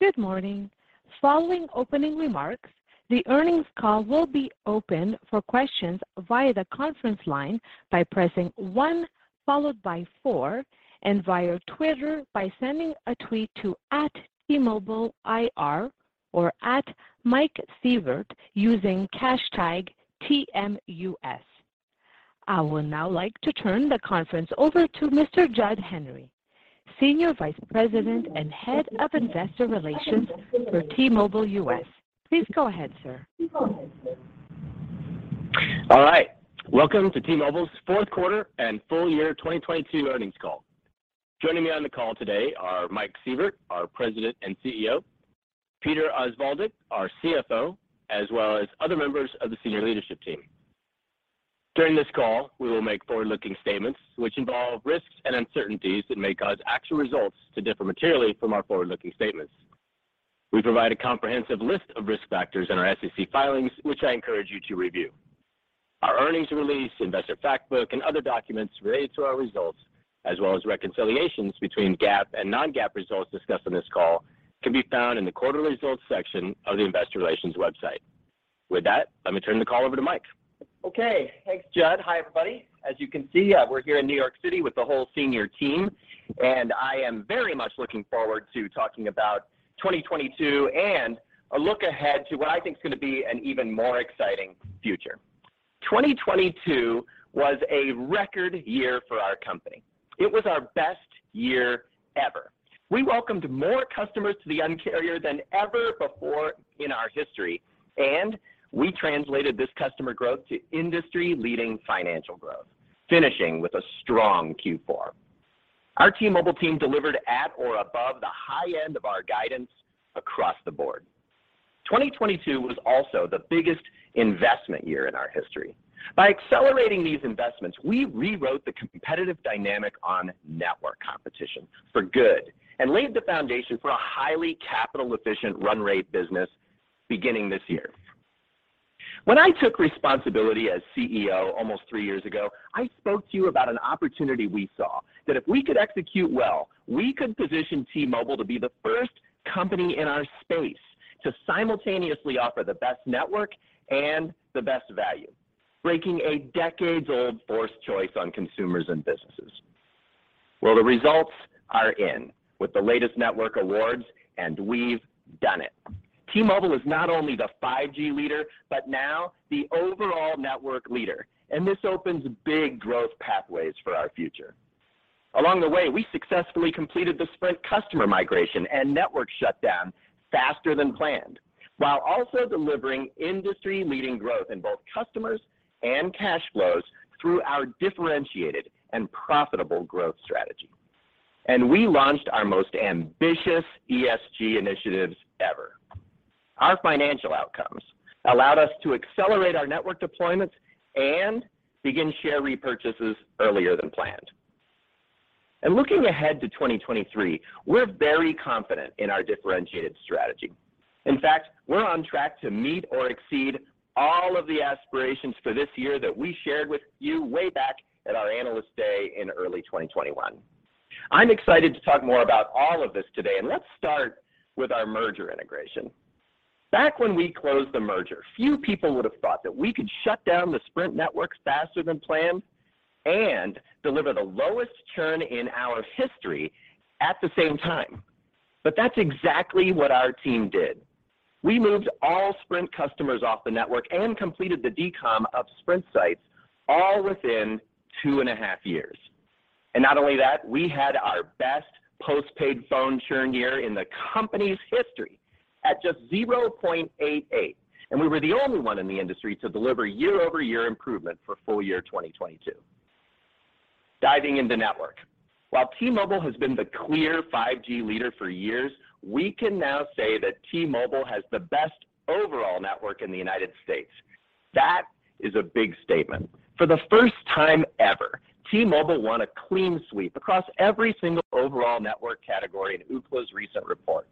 Good morning. Following opening remarks, the earnings call will be open for questions via the conference line by pressing one followed by four and via Twitter by sending a tweet to @TMobileIR or @MikeSievert using #TMUS. I would now like to turn the conference over to Mr. Jud Henry, Senior Vice President and Head of Investor Relations for T-Mobile US. Please go ahead, sir. All right. Welcome to T-Mobile's Q4 and full year 2022 earnings call. Joining me on the call today are Mike Sievert, our President and CEO, Peter Osvaldik, our CFO, as well as other members of the senior leadership team. During this call, we will make forward-looking statements which involve risks and uncertainties that may cause actual results to differ materially from our forward-looking statements. We provide a comprehensive list of risk factors in our SEC filings, which I encourage you to review. Our earnings release, investor fact book, and other documents related to our results, as well as reconciliations between GAAP and non-GAAP results discussed on this call, can be found in the quarterly results section of the investor relations website. With that, let me turn the call over to Mike. Okay. Thanks, Jud. Hi, everybody. As you can see, we're here in New York City with the whole senior team. I am very much looking forward to talking about 2022 and a look ahead to what I think is going to be an even more exciting future. 2022 was a record year for our company. It was our best year ever. We welcomed more customers to the Un-carrier than ever before in our history. We translated this customer growth to industry-leading financial growth, finishing with a strong Q4. Our T-Mobile team delivered at or above the high end of our guidance across the board. 2022 was also the biggest investment year in our history. By accelerating these investments, we rewrote the competitive dynamic on network competition for good. Laid the foundation for a highly capital efficient run rate business beginning this year. When I took responsibility as CEO almost three years ago, I spoke to you about an opportunity we saw that if we could execute well, we could position T-Mobile to be the first company in our space to simultaneously offer the best network and the best value, breaking a decades-old forced choice on consumers and businesses. Well, the results are in with the latest network awards, and we've done it. T-Mobile is not only the 5G leader, but now the overall network leader. This opens big growth pathways for our future. Along the way, we successfully completed the Sprint customer migration and network shutdown faster than planned, while also delivering industry-leading growth in both customers and cash flows through our differentiated and profitable growth strategy. We launched our most ambitious ESG initiatives ever. Our financial outcomes allowed us to accelerate our network deployments and begin share repurchases earlier than planned. Looking ahead to 2023, we're very confident in our differentiated strategy. In fact, we're on track to meet or exceed all of the aspirations for this year that we shared with you way back at our Analyst Day in early 2021. I'm excited to talk more about all of this today. Let's start with our merger integration. Back when we closed the merger, few people would have thought that we could shut down the Sprint network faster than planned and deliver the lowest churn in our history at the same time. That's exactly what our team did. We moved all Sprint customers off the network and completed the decom of Sprint sites all within 2.5 years. Not only that, we had our best postpaid phone churn year in the company's history at just 0.88. We were the only one in the industry to deliver year-over-year improvement for full year 2022. Diving in the network. While T-Mobile has been the clear 5G leader for years, we can now say that T-Mobile has the best overall network in the United States. That is a big statement. For the first time ever, T-Mobile won a clean sweep across every single overall network category in Ookla's recent report.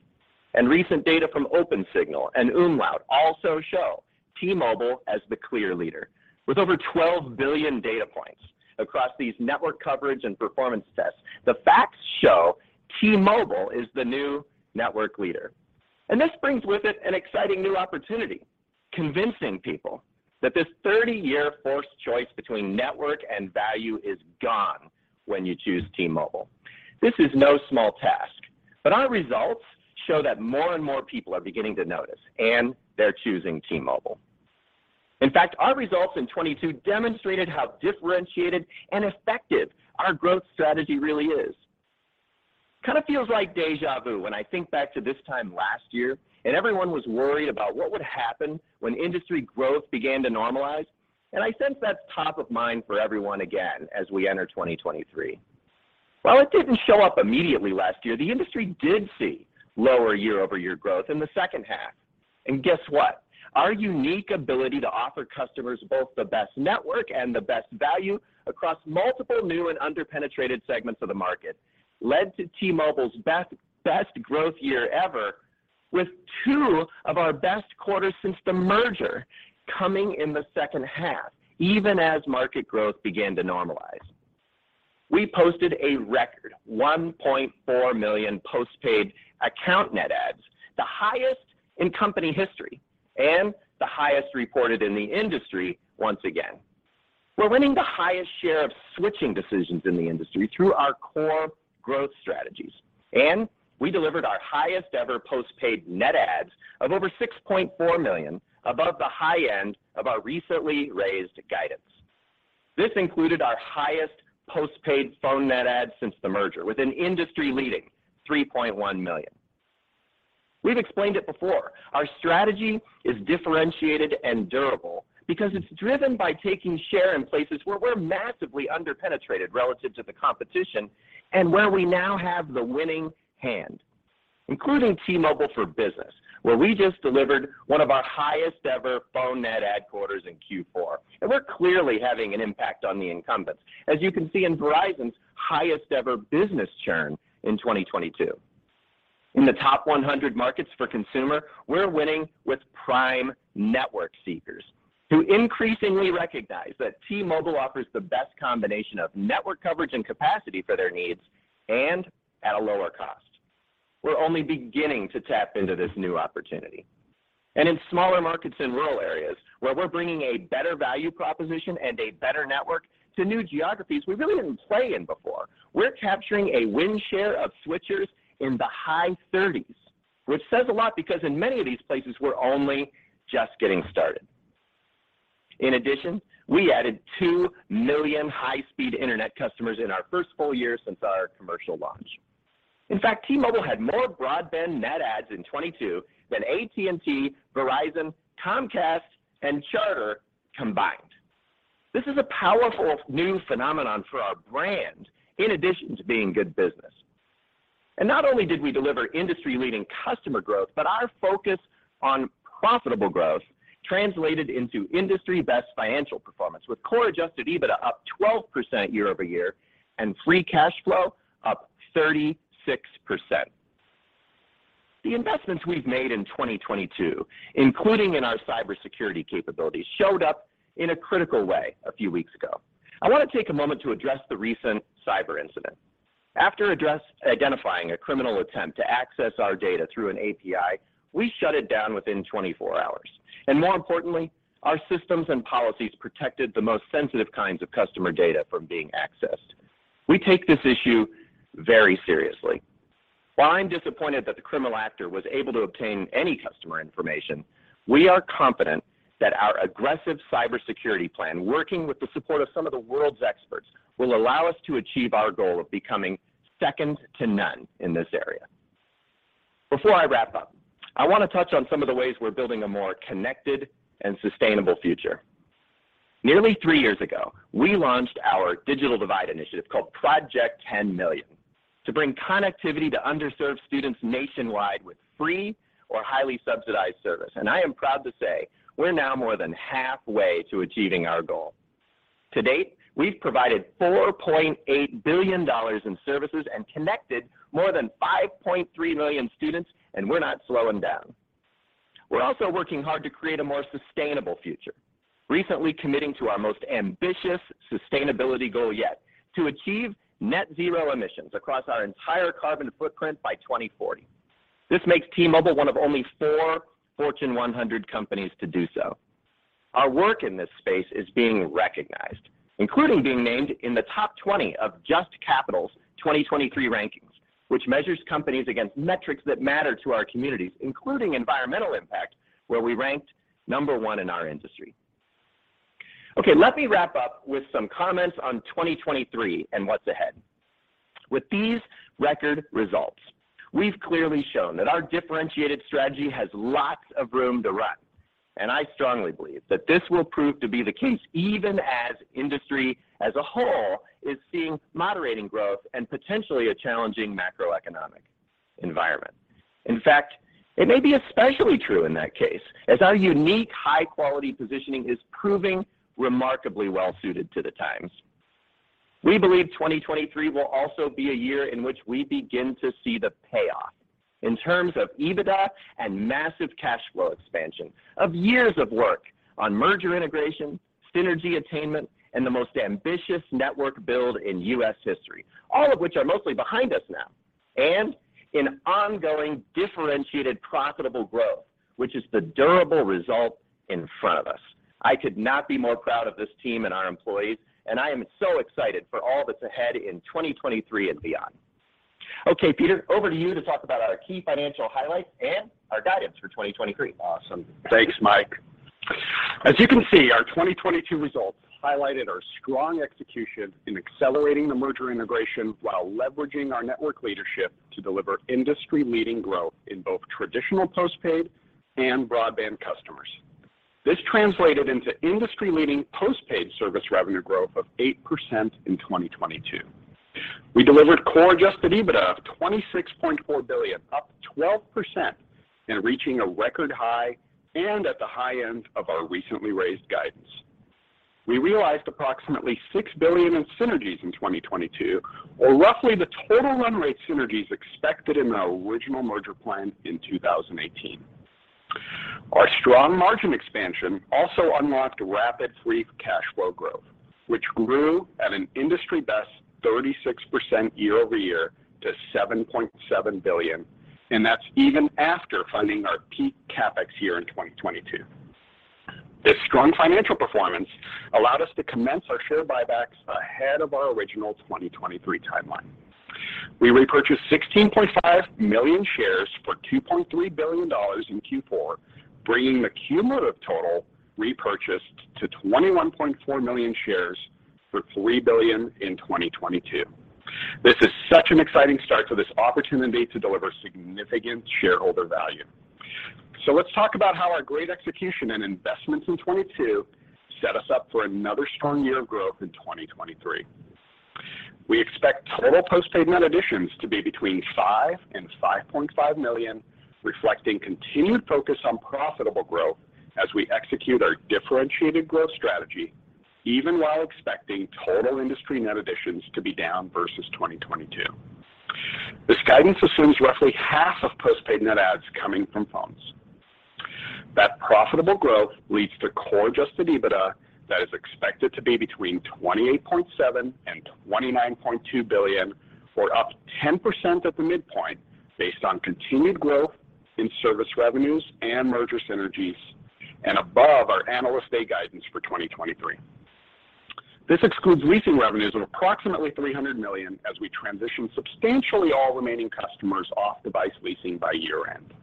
Recent data from Opensignal and umlaut also show T-Mobile as the clear leader with over 12 billion data points across these network coverage and performance tests. The facts show T-Mobile is the new network leader, and this brings with it an exciting new opportunity, convincing people that this 30 year forced choice between network and value is gone when you choose T-Mobile. This is no small task, but our results show that more and more people are beginning to notice, and they're choosing T-Mobile. In fact, our results in 2022 demonstrated how differentiated and effective our growth strategy really is. Kind of feels like deja vu when I think back to this time last year and everyone was worried about what would happen when industry growth began to normalize. I sense that's top of mind for everyone again as we enter 2023. While it didn't show up immediately last year, the industry did see lower year-over-year growth in the second half. Guess what? Our unique ability to offer customers both the best network and the best value across multiple new and under-penetrated segments of the market led to T-Mobile's best growth year ever with two of our best quarters since the merger coming in the second half, even as market growth began to normalize. We posted a record 1.4 million postpaid account net adds, the highest in company history and the highest reported in the industry once again. We're winning the highest share of switching decisions in the industry through our core growth strategies. We delivered our highest ever postpaid net adds of over 6.4 million above the high end of our recently raised guidance. This included our highest postpaid phone net adds since the merger with an industry-leading 3.1 million. We've explained it before. Our strategy is differentiated and durable because it's driven by taking share in places where we're massively under-penetrated relative to the competition and where we now have the winning hand, including T-Mobile for Business, where we just delivered one of our highest ever phone net add quarters in Q4. We're clearly having an impact on the incumbents, as you can see in Verizon's highest ever business churn in 2022. In the top 100 markets for consumer, we're winning with prime network seekers who increasingly recognize that T-Mobile offers the best combination of network coverage and capacity for their needs and at a lower cost. We're only beginning to tap into this new opportunity. In smaller markets in rural areas where we're bringing a better value proposition and a better network to new geographies we really didn't play in before, we're capturing a win share of switchers in the high thirties, which says a lot because in many of these places we're only just getting started. In addition, we added two million high-speed internet customers in our first full year since our commercial launch. In fact, T-Mobile had more broadband net adds in 2022 than AT&T, Verizon, Comcast, and Charter combined. This is a powerful new phenomenon for our brand in addition to being good business. Not only did we deliver industry-leading customer growth, but our focus on profitable growth translated into industry best financial performance, with Core Adjusted EBITDA up 12% year-over-year and free cash flow up 36%. The investments we've made in 2022, including in our cybersecurity capabilities, showed up in a critical way a few weeks ago. I want to take a moment to address the recent cyber incident. After identifying a criminal attempt to access our data through an API, we shut it down within 24 hours. More importantly, our systems and policies protected the most sensitive kinds of customer data from being accessed. We take this issue very seriously. While I'm disappointed that the criminal actor was able to obtain any customer information, we are confident that our aggressive cybersecurity plan, working with the support of some of the world's experts, will allow us to achieve our goal of becoming second to none in this area. Before I wrap up, I want to touch on some of the ways we're building a more connected and sustainable future. Nearly three years ago, we launched our digital divide initiative called Project 10Million to bring connectivity to underserved students nationwide with free or highly subsidized service. I am proud to say we're now more than halfway to achieving our goal. To date, we've provided $4.8 billion in services and connected more than 5.3 million students, and we're not slowing down. We're also working hard to create a more sustainable future, recently committing to our most ambitious sustainability goal yet: to achieve net zero emissions across our entire carbon footprint by 2040. This makes T-Mobile one of only four Fortune 100 companies to do so. Our work in this space is being recognized, including being named in the top 20 of JUST Capital's 2023 rankings, which measures companies against metrics that matter to our communities, including environmental impact, where we ranked number one in our industry. Let me wrap up with some comments on 2023 and what's ahead. With these record results, we've clearly shown that our differentiated strategy has lots of room to run, I strongly believe that this will prove to be the case even as industry as a whole is seeing moderating growth and potentially a challenging macroeconomic environment. It may be especially true in that case, as our unique high-quality positioning is proving remarkably well suited to the times. We believe 2023 will also be a year in which we begin to see the payoff in terms of EBITDA and massive cash flow expansion of years of work on merger integration, synergy attainment, and the most ambitious network build in U.S. history, all of which are mostly behind us now, and in ongoing differentiated profitable growth, which is the durable result in front of us. I could not be more proud of this team and our employees, and I am so excited for all that's ahead in 2023 and beyond. Peter, over to you to talk about our key financial highlights and our guidance for 2023. Awesome. Thanks, Mike. As you can see, our 2022 results highlighted our strong execution in accelerating the merger integration while leveraging our network leadership to deliver industry-leading growth in both traditional postpaid and broadband customers. This translated into industry-leading postpaid service revenue growth of 8% in 2022. We delivered Core Adjusted EBITDA of $26.4 billion, up 12% and reaching a record high and at the high end of our recently raised guidance. We realized approximately $6 billion in synergies in 2022, or roughly the total run rate synergies expected in the original merger plan in 2018. Our strong margin expansion also unlocked rapid free cash flow growth, which grew at an industry-best 36% year-over-year to $7.7 billion, and that's even after funding our peak CapEx year in 2022. This strong financial performance allowed us to commence our share buybacks ahead of our original 2023 timeline. We repurchased 16.5 million shares for $2.3 billion in Q4, bringing the cumulative total repurchase to 21.4 million shares for $3 billion in 2022. This is such an exciting start to this opportunity to deliver significant shareholder value. Let's talk about how our great execution and investments in 2022 set us up for another strong year of growth in 2023. We expect total postpaid net additions to be between 5 million-5.5 million, reflecting continued focus on profitable growth as we execute our differentiated growth strategy, even while expecting total industry net additions to be down versus 2022. This guidance assumes roughly half of postpaid net adds coming from phones. That profitable growth leads to Core Adjusted EBITDA that is expected to be between $28.7 billion and $29.2 billion, or up 10% at the midpoint based on continued growth in service revenues and merger synergies and above our Analyst Day guidance for 2023. This excludes leasing revenues of approximately $300 million as we transition substantially all remaining customers off device leasing by year-end.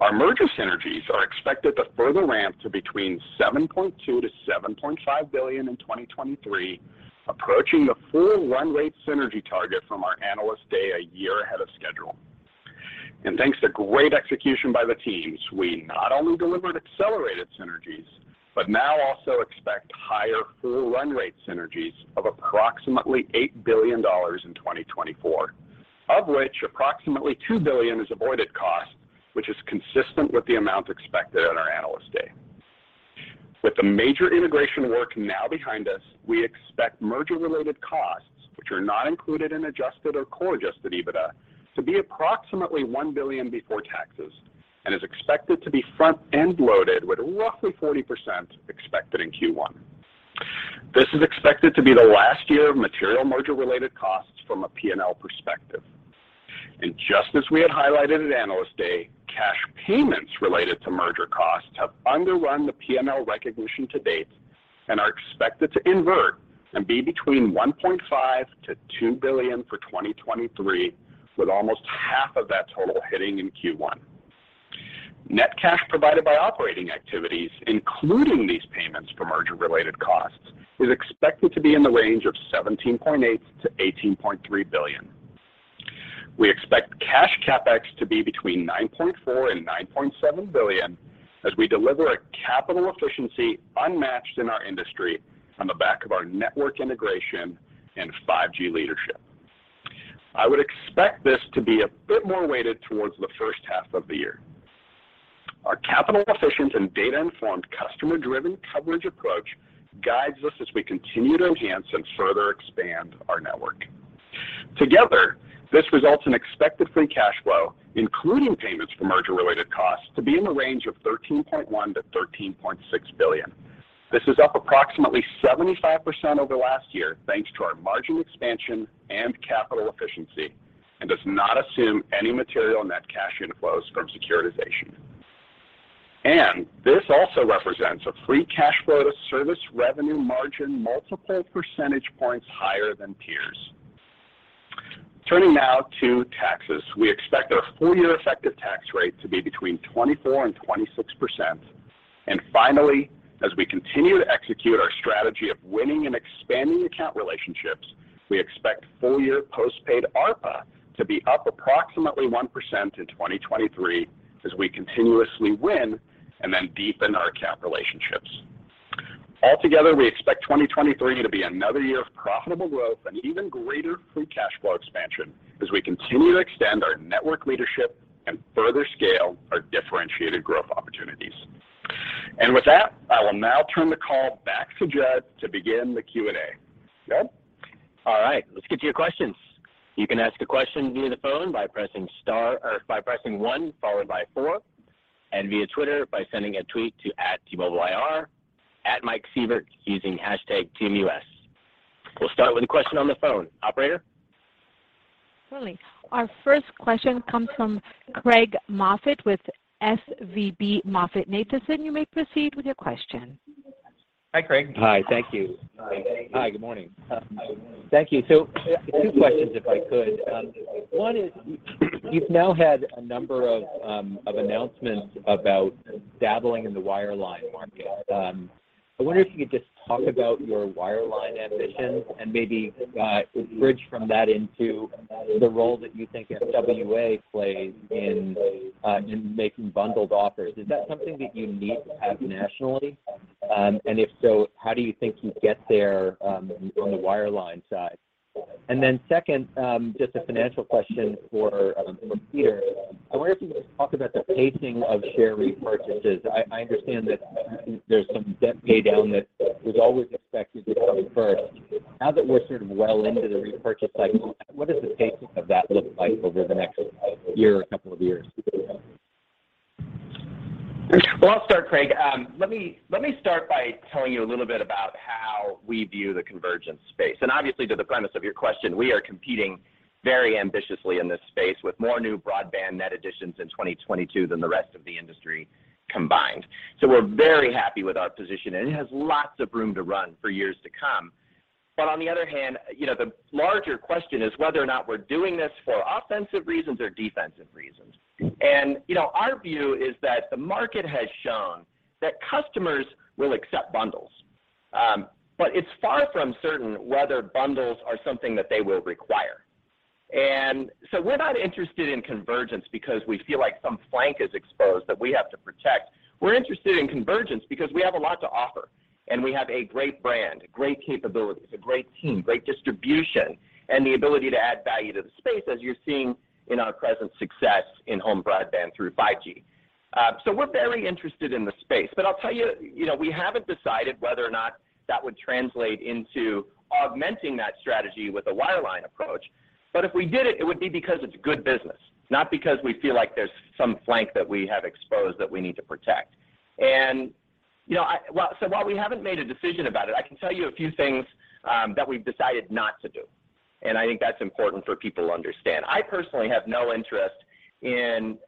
Our merger synergies are expected to further ramp to between $7.2 billion-$7.5 billion in 2023, approaching the full run rate synergy target from our Analyst Day a year ahead of schedule. Thanks to great execution by the teams, we not only delivered accelerated synergies, but now also expect higher full run rate synergies of approximately $8 billion in 2024, of which approximately $2 billion is avoided cost, which is consistent with the amount expected at our Analyst Day. With the major integration work now behind us, we expect merger-related costs, which are not included in adjusted or Core Adjusted EBITDA, to be approximately $1 billion before taxes and is expected to be front-end loaded with roughly 40% expected in Q1. This is expected to be the last year of material merger-related costs from a P&L perspective. Just as we had highlighted at Analyst Day, cash payments related to merger costs have underrun the P&L recognition to date and are expected to invert and be between $1.5 billion-$2 billion for 2023, with almost half of that total hitting in Q1. Net cash provided by operating activities, including these payments for merger-related costs, is expected to be in the range of $17.8 billion-$18.3 billion. We expect cash CapEx to be between $9.4 billion and $9.7 billion as we deliver a capital efficiency unmatched in our industry on the back of our network integration and 5G leadership. I would expect this to be a bit more weighted towards the first half of the year. Our capital-efficient and data-informed Customer-Driven Coverage approach guides us as we continue to enhance and further expand our network. Together, this results in expected free cash flow, including payments for merger-related costs, to be in the range of $13.1 billion-$13.6 billion. This is up approximately 75% over last year, thanks to our margin expansion and capital efficiency, does not assume any material net cash inflows from securitization. This also represents a free cash flow to service revenue margin multiple percentage points higher than peers. Turning now to taxes. We expect our full year effective tax rate to be between 24% and 26%. Finally, as we continue to execute our strategy of winning and expanding account relationships, we expect full-year postpaid ARPA to be up approximately 1% in 2023 as we continuously win and then deepen our account relationships. Altogether, we expect 2023 to be another year of profitable growth and even greater free cash flow expansion as we continue to extend our network leadership and further scale our differentiated growth opportunities. With that, I will now turn the call back to Jud to begin the Q&A. Jud? All right. Let's get to your questions. You can ask a question via the phone by pressing one followed by four, via Twitter by sending a tweet to @TMobileIR, @MikeSievert, using #TMUS. We'll start with a question on the phone. Operator? Certainly. Our first question comes from Craig Moffett with SVB MoffettNathanson. You may proceed with your question. Hi, Craig. Hi. Thank you. Hi, good morning. Thank you. Two questions, if I could. One is you've now had a number of announcements about dabbling in the wireline market. I wonder if you could just talk about your wireline ambitions and maybe bridge from that into the role that you think FWA plays in making bundled offers. Is that something that you need to have nationally? If so, how do you think you get there on the wireline side? Second, just a financial question for Peter. I wonder if you could just talk about the pacing of share repurchases. I understand that there's some debt pay down that was always expected to come first. Now that we're sort of well into the repurchase cycle, what does the pacing of that look like over the next year or couple of years? Well, I'll start, Craig. Let me start by telling you a little bit about how we view the convergence space. Obviously, to the premise of your question, we are competing very ambitiously in this space with more new broadband net additions in 2022 than the rest of the industry combined. We're very happy with our position, and it has lots of room to run for years to come. On the other hand, you know, the larger question is whether or not we're doing this for offensive reasons or defensive reasons. You know, our view is that the market has shown that customers will accept bundles, but it's far from certain whether bundles are something that they will require. We're not interested in convergence because we feel like some flank is exposed that we have to protect. We're interested in convergence because we have a lot to offer, and we have a great brand, great capabilities, a great team, great distribution, and the ability to add value to the space as you're seeing in our present success in home broadband through 5G. We're very interested in the space. I'll tell you know, we haven't decided whether or not that would translate into augmenting that strategy with a wireline approach. If we did it would be because it's good business, not because we feel like there's some flank that we have exposed that we need to protect. You know, while we haven't made a decision about it, I can tell you a few things that we've decided not to do, and I think that's important for people to understand. I personally have no interest in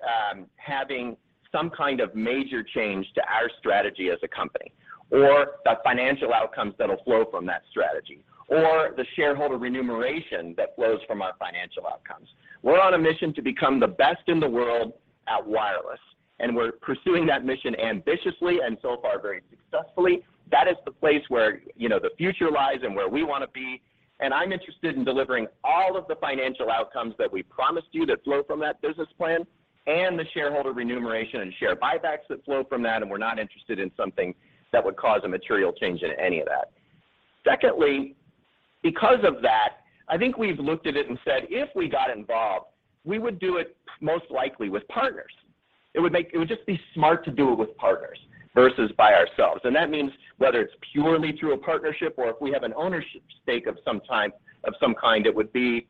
having some kind of major change to our strategy as a company or the financial outcomes that'll flow from that strategy or the shareholder remuneration that flows from our financial outcomes. We're on a mission to become the best in the world at wireless, and we're pursuing that mission ambitiously and so far very successfully. That is the place where, you know, the future lies and where we wanna be. I'm interested in delivering all of the financial outcomes that we promised you that flow from that business plan and the shareholder remuneration and share buybacks that flow from that, and we're not interested in something that would cause a material change in any of that. Secondly, because of that, I think we've looked at it and said, if we got involved, we would do it most likely with partners. It would just be smart to do it with partners versus by ourselves. That means whether it's purely through a partnership or if we have an ownership stake of some kind, it would be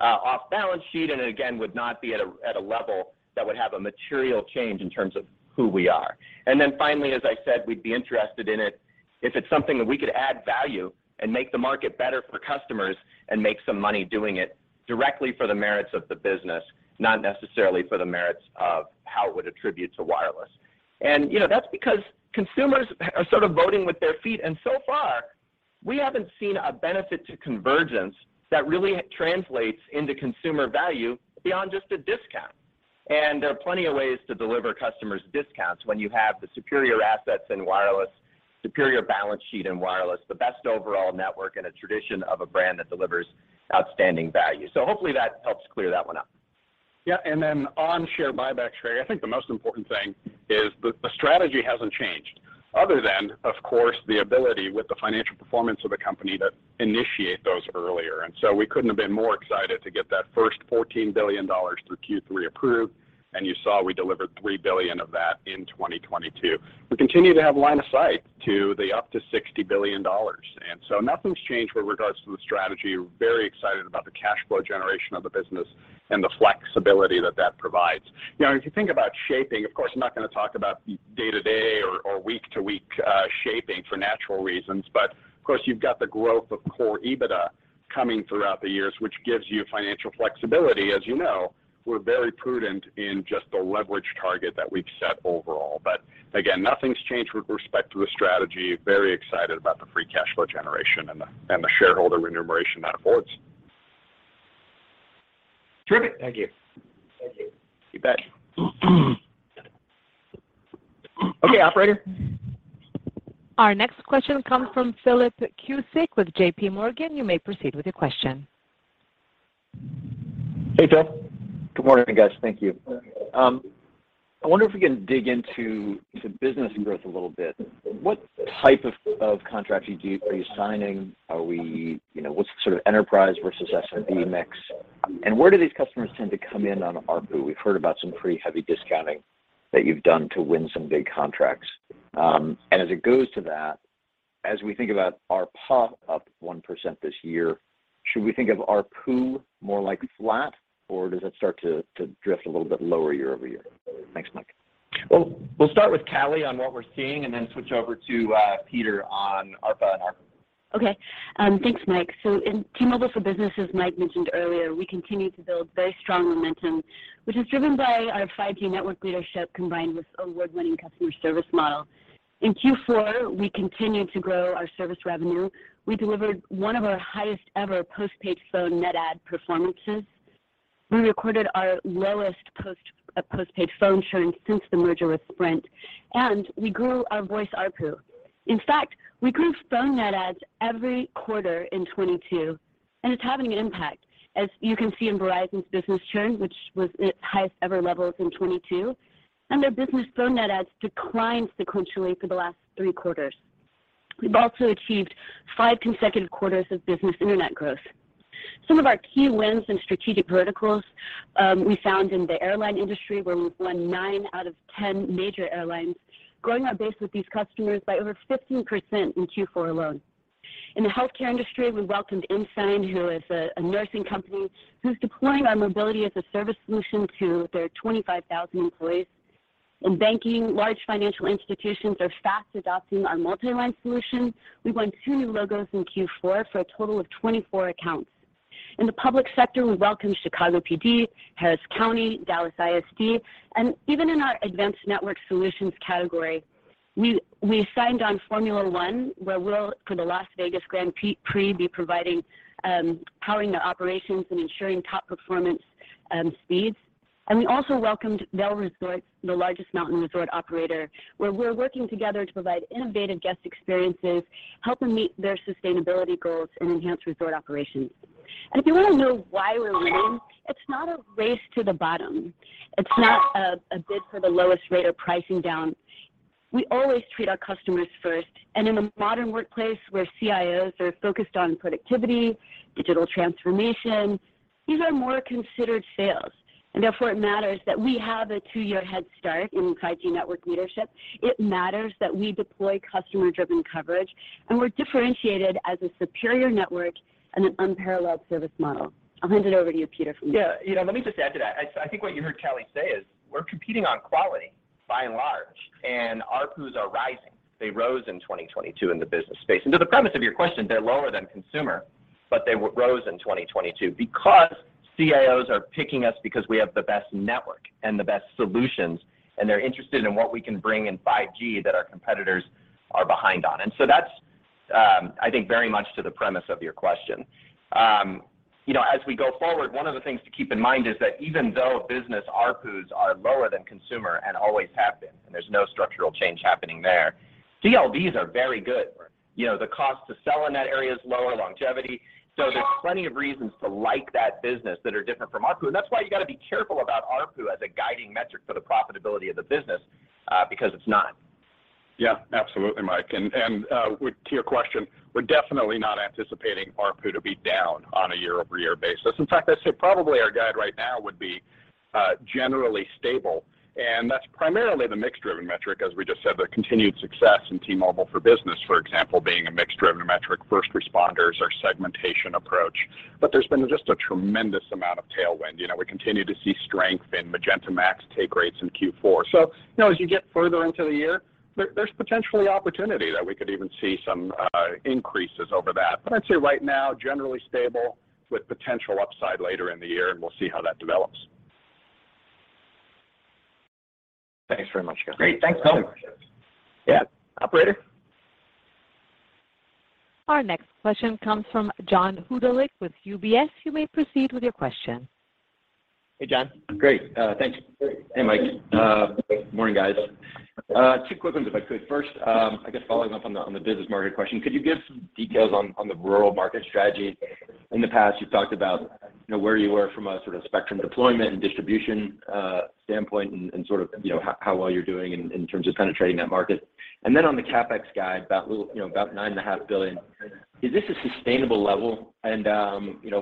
off balance sheet and again, would not be at a level that would have a material change in terms of who we are. Then finally, as I said, we'd be interested in it if it's something that we could add value and make the market better for customers and make some money doing it directly for the merits of the business, not necessarily for the merits of how it would attribute to wireless. You know, that's because consumers are sort of voting with their feet. So far, we haven't seen a benefit to convergence that really translates into consumer value beyond just a discount. There are plenty of ways to deliver customers discounts when you have the superior assets in wireless, superior balance sheet in wireless, the best overall network, and a tradition of a brand that delivers outstanding value. Hopefully that helps clear that one up. Yeah. Then on share buybacks, Craig, I think the most important thing is the strategy hasn't changed other than, of course, the ability with the financial performance of the company to initiate those earlier. We couldn't have been more excited to get that first $14 billion through Q3 approved, and you saw we delivered $3 billion of that in 2022. We continue to have line of sight to the up to $60 billion. Nothing's changed with regards to the strategy. Very excited about the cash flow generation of the business and the flexibility that that provides. You know, if you think about shaping, of course, I'm not gonna talk about day-to-day or week-to-week shaping for natural reasons, but of course, you've got the growth of Core Adjusted EBITDA coming throughout the years, which gives you financial flexibility. As you know, we're very prudent in just the leverage target that we've set overall. Again, nothing's changed with respect to the strategy. Very excited about the free cash flow generation and the shareholder remuneration that affords. Terrific. Thank you. Thank you. You bet. Okay, operator. Our next question comes from Philip Cusick with J.P. Morgan. You may proceed with your question. Hey, Phil. Good morning, guys. Thank you. I wonder if we can dig into the business growth a little bit. What type of contracts are you signing? You know, what's the sort of enterprise versus SMB mix? Where do these customers tend to come in on ARPU? We've heard about some pretty heavy discounting that you've done to win some big contracts. As it goes to that, as we think about ARPA up 1% this year, should we think of ARPU more like flat, or does it start to drift a little bit lower year-over-year? Thanks, Mike. We'll start with Callie on what we're seeing and then switch over to Peter on ARPA and ARPU. Thanks, Mike. In T-Mobile for Business, as Mike mentioned earlier, we continue to build very strong momentum, which is driven by our 5G network leadership combined with award-winning customer service model. In Q four, we continued to grow our service revenue. We delivered one of our highest-ever postpaid phone net add performances. We recorded our lowest postpaid phone churn since the merger with Sprint, and we grew our voice ARPU. In fact, we grew phone net adds every quarter in 2022, and it's having an impact, as you can see in Verizon's business churn, which was its highest ever levels in 2022. Their business phone net adds declined sequentially for the last three quarters. We've also achieved five consecutive quarters of business internet growth. Some of our key wins in strategic verticals, we found in the airline industry where we've won nine out of 10 major airlines, growing our base with these customers by over 15% in Q4 alone. In the healthcare industry, we welcomed Ensign, who is a nursing company who's deploying our Mobility-as-a-Service solution to their 25,000 employees. In banking, large financial institutions are fast adopting our multi-line solution. We won two new logos in Q4 for a total of 2024 accounts. In the public sector, we welcomed Chicago PD, Harris County, Dallas ISD, and even in our Advanced Network Solutions category, we signed on Formula One, where we'll, for the Las Vegas Grand Prix, be providing, powering the operations and ensuring top performance speeds. We also welcomed Vail Resorts, the largest mountain resort operator, where we're working together to provide innovative guest experiences, help them meet their sustainability goals and enhance resort operations. If you want to know why we're winning, it's not a race to the bottom. It's not a bid for the lowest rate or pricing down. We always treat our customers first, and in a modern workplace where CIOs are focused on productivity, digital transformation, these are more considered sales. Therefore, it matters that we have a two year head start in 5G network leadership. It matters that we deploy Customer-Driven Coverage, and we're differentiated as a superior network and an unparalleled service model. I'll hand it over to you, Peter. Yeah. You know, let me just add to that. I think what you heard Neville Ray say is we're competing on quality by and large, and ARPUs are rising. They rose in 2022 in the business space. To the premise of your question, they're lower than consumer, but they rose in 2022 because CIOs are picking us because we have the best network and the best solutions, and they're interested in what we can bring in 5G that our competitors are behind on. That's, I think very much to the premise of your question. You know, as we go forward, one of the things to keep in mind is that even though business ARPUs are lower than consumer and always have been, and there's no structural change happening there, CLV are very good. You know, the cost to sell in that area is lower longevity. There's plenty of reasons to like that business that are different from ARPU, and that's why you got to be careful about ARPU as a guiding metric for the profitability of the business, because it's not. Yeah, absolutely Mike. To your question, we're definitely not anticipating ARPU to be down on a year-over-year basis. In fact, I'd say probably our guide right now would be generally stable, that's primarily the mix-driven metric, as we just said, the continued success in T-Mobile for Business, for example, being a mix-driven metric, first responders, our segmentation approach. There's been just a tremendous amount of tailwind. You know, we continue to see strength in Magenta MAX take rates in Q4. As you get further into the year, there's potentially opportunity that we could even see some increases over that. I'd say right now, generally stable with potential upside later in the year, and we'll see how that develops. Thanks very much. Great. Thanks. Yeah. Operator? Our next question comes from John Hodulik with UBS. You may proceed with your question. Hey, John. Great. Thanks. Hey, Mike. Morning, guys. Two quick ones, if I could. First, I guess following up on the business market question, could you give some details on the rural market strategy? In the past, you've talked about, you know, where you were from a sort of spectrum deployment and distribution standpoint and sort of, you know, how well you're doing in terms of penetrating that market. On the CapEx guide, you know, about $9.5 billion, is this a sustainable level?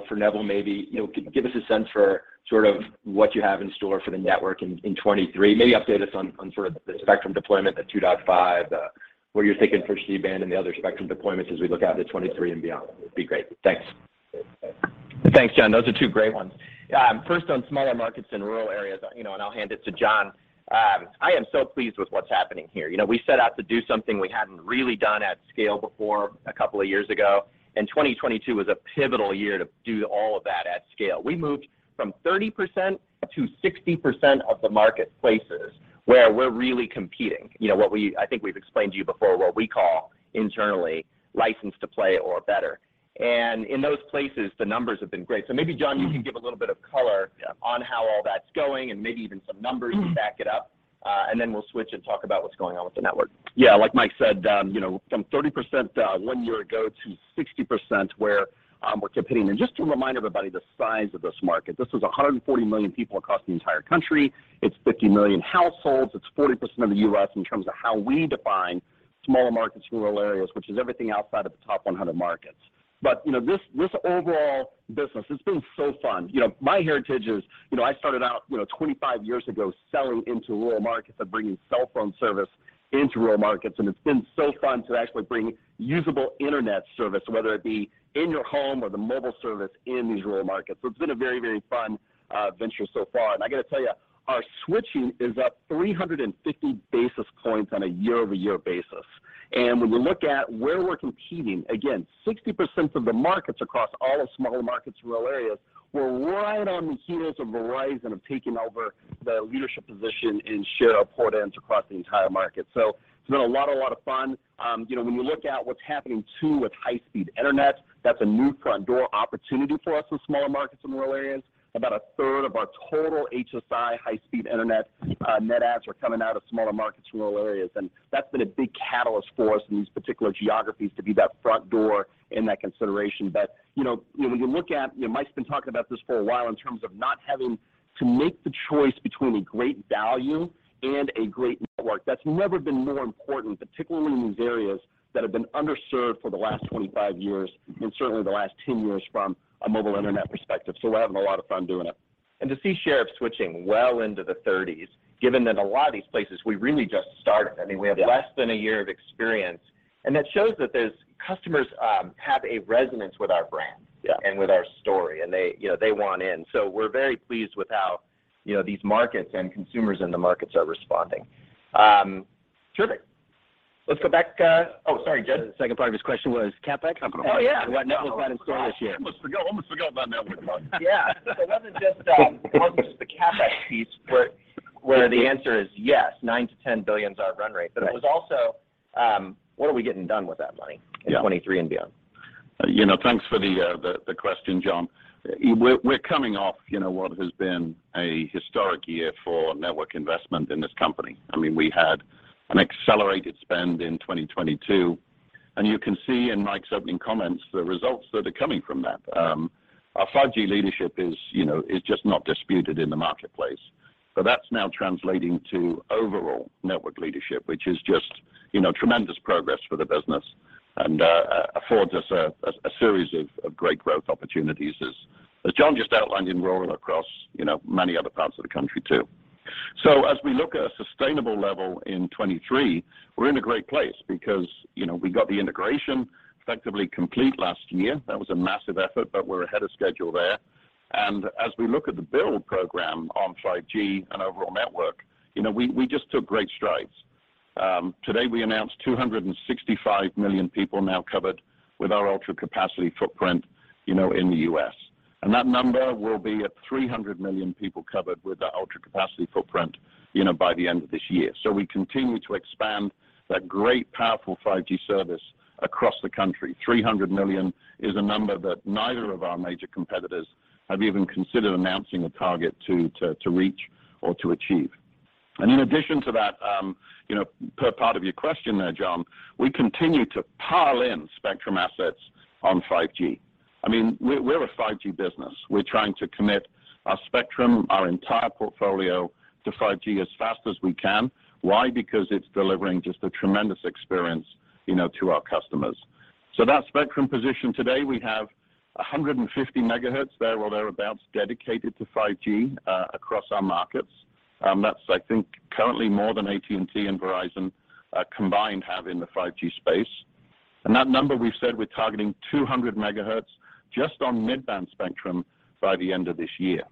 For Neville maybe, you know, give us a sense for sort of what you have in store for the network in 2023. Maybe update us on sort of the spectrum deployment, the 2.5 GHz, what you're thinking for C-band and the other spectrum deployments as we look out to 2023 and beyond. It'd be great. Thanks. Thanks, John. Those are two great ones. First on smaller markets in rural areas, you know, and I'll hand it to John. I am so pleased with what's happening here. You know, we set out to do something we hadn't really done at scale before a couple of years ago, and 2022 was a pivotal year to do all of that at scale. We moved from 30% to 60% of the marketplaces where we're really competing. You know, what I think we've explained to you before what we call internally License to Play or better. In those places, the numbers have been great. Maybe John, you can give a little bit of color on how all that's going and maybe even some numbers to back it up, and then we'll switch and talk about what's going on with the network. Yeah. Like Mike said, you know, from 30%, one year ago to 60% where we're competing. Just to remind everybody the size of this market, this is 140 million people across the entire country. It's 50 million households. It's 40% of the U.S. in terms of how we define smaller markets, rural areas, which is everything outside of the top 100 markets. You know, this overall business, it's been so fun. You know, my heritage is, you know, I started out, 25 years ago selling into rural markets and bringing cell phone service into rural markets, and it's been so fun to actually bring usable internet service, whether it be in your home or the mobile service in these rural markets. It's been a very, very fun venture so far. I got to tell you, our switching is up 350 basis points on a year-over-year basis. When we look at where we're competing, again, 60% of the markets across all of smaller markets, rural areas, we're right on the heels of Verizon of taking over the leadership position in share of port-ins across the entire market. It's been a lot of fun. You know, when you look at what's happening too with high-speed internet, that's a new front door opportunity for us with smaller markets in rural areas. About a third of our total HSI, high-speed internet, net adds are coming out of smaller markets in rural areas, and that's been a big catalyst for us in these particular geographies to be that front door in that consideration. You know, when you look at, you know, Mike's been talking about this for a while in terms of not having to make the choice between a great value and a great network. That's never been more important, particularly in these areas that have been underserved for the last 25 years, and certainly the last 10 years from a mobile internet perspective. We're having a lot of fun doing it. to see share of switching well into the 30s, given that a lot of these places we really just started. I mean, we have less than a year of experience, and that shows that those customers have a resonance with our brand. Yeah And with our story, and they, you know, they want in. We're very pleased with how, you know, these markets and consumers in the markets are responding. Terrific. Let's go back. Oh, sorry, Jud. The second part of his question was CapEx. Oh, yeah. And what network plan is going this year. Almost forgot. Almost forgot about network plan. Yeah. It wasn't just, it wasn't just the CapEx piece where the answer is yes, $9 billion-$10 billion's our run rate. It was also, what are we getting done with that money in 2023 and beyond. You know, thanks for the question, Jon. We're coming off, you know, what has been a historic year for network investment in this company. I mean, we had an accelerated spend in 2022. You can see in Mike's opening comments the results that are coming from that. Our 5G leadership is, you know, is just not disputed in the marketplace. That's now translating to overall network leadership, which is just, you know, tremendous progress for the business and affords us a series of great growth opportunities as Jon just outlined in rural and across, you know, many other parts of the country too. As we look at a sustainable level in 2023, we're in a great place because, you know, we got the integration effectively complete last year. That was a massive effort, but we're ahead of schedule there. As we look at the build program on 5G and overall network, you know, we just took great strides. Today we announced 265 million people now covered with our Ultra Capacity footprint, you know, in the U.S. That number will be at 300 million people covered with the Ultra Capacity footprint, you know, by the end of this year. We continue to expand that great powerful 5G service across the country. 300 million is a number that neither of our major competitors have even considered announcing a target to reach or to achieve. In addition to that, you know, per part of your question there, John, we continue to pile in spectrum assets on 5G. I mean, we're a 5G business. We're trying to commit our spectrum, our entire portfolio to 5G as fast as we can. Why? Because it's delivering just a tremendous experience, you know, to our customers. That spectrum position today, we have 150 megahertz there or thereabouts dedicated to 5G across our markets. That's I think currently more than AT&T and Verizon combined have in the 5G space. That number we've said we're targeting 200 megahertz just on mid-band spectrum by the end of this year.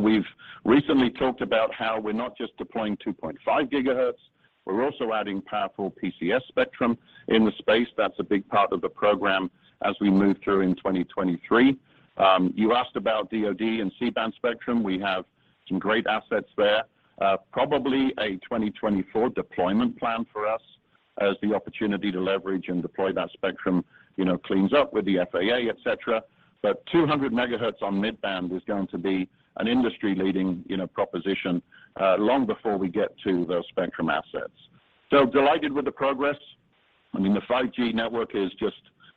We've recently talked about how we're not just deploying 2.5 gigahertz, we're also adding powerful PCS spectrum in the space. That's a big part of the program as we move through in 2023. You asked about DoD and C-band spectrum. We have some great assets there. Probably a 2024 deployment plan for us as the opportunity to leverage and deploy that spectrum, you know, cleans up with the FAA, et cetera. 200 megahertz on mid-band is going to be an industry-leading, you know, proposition, long before we get to those spectrum assets. Delighted with the progress. I mean, the 5G network is just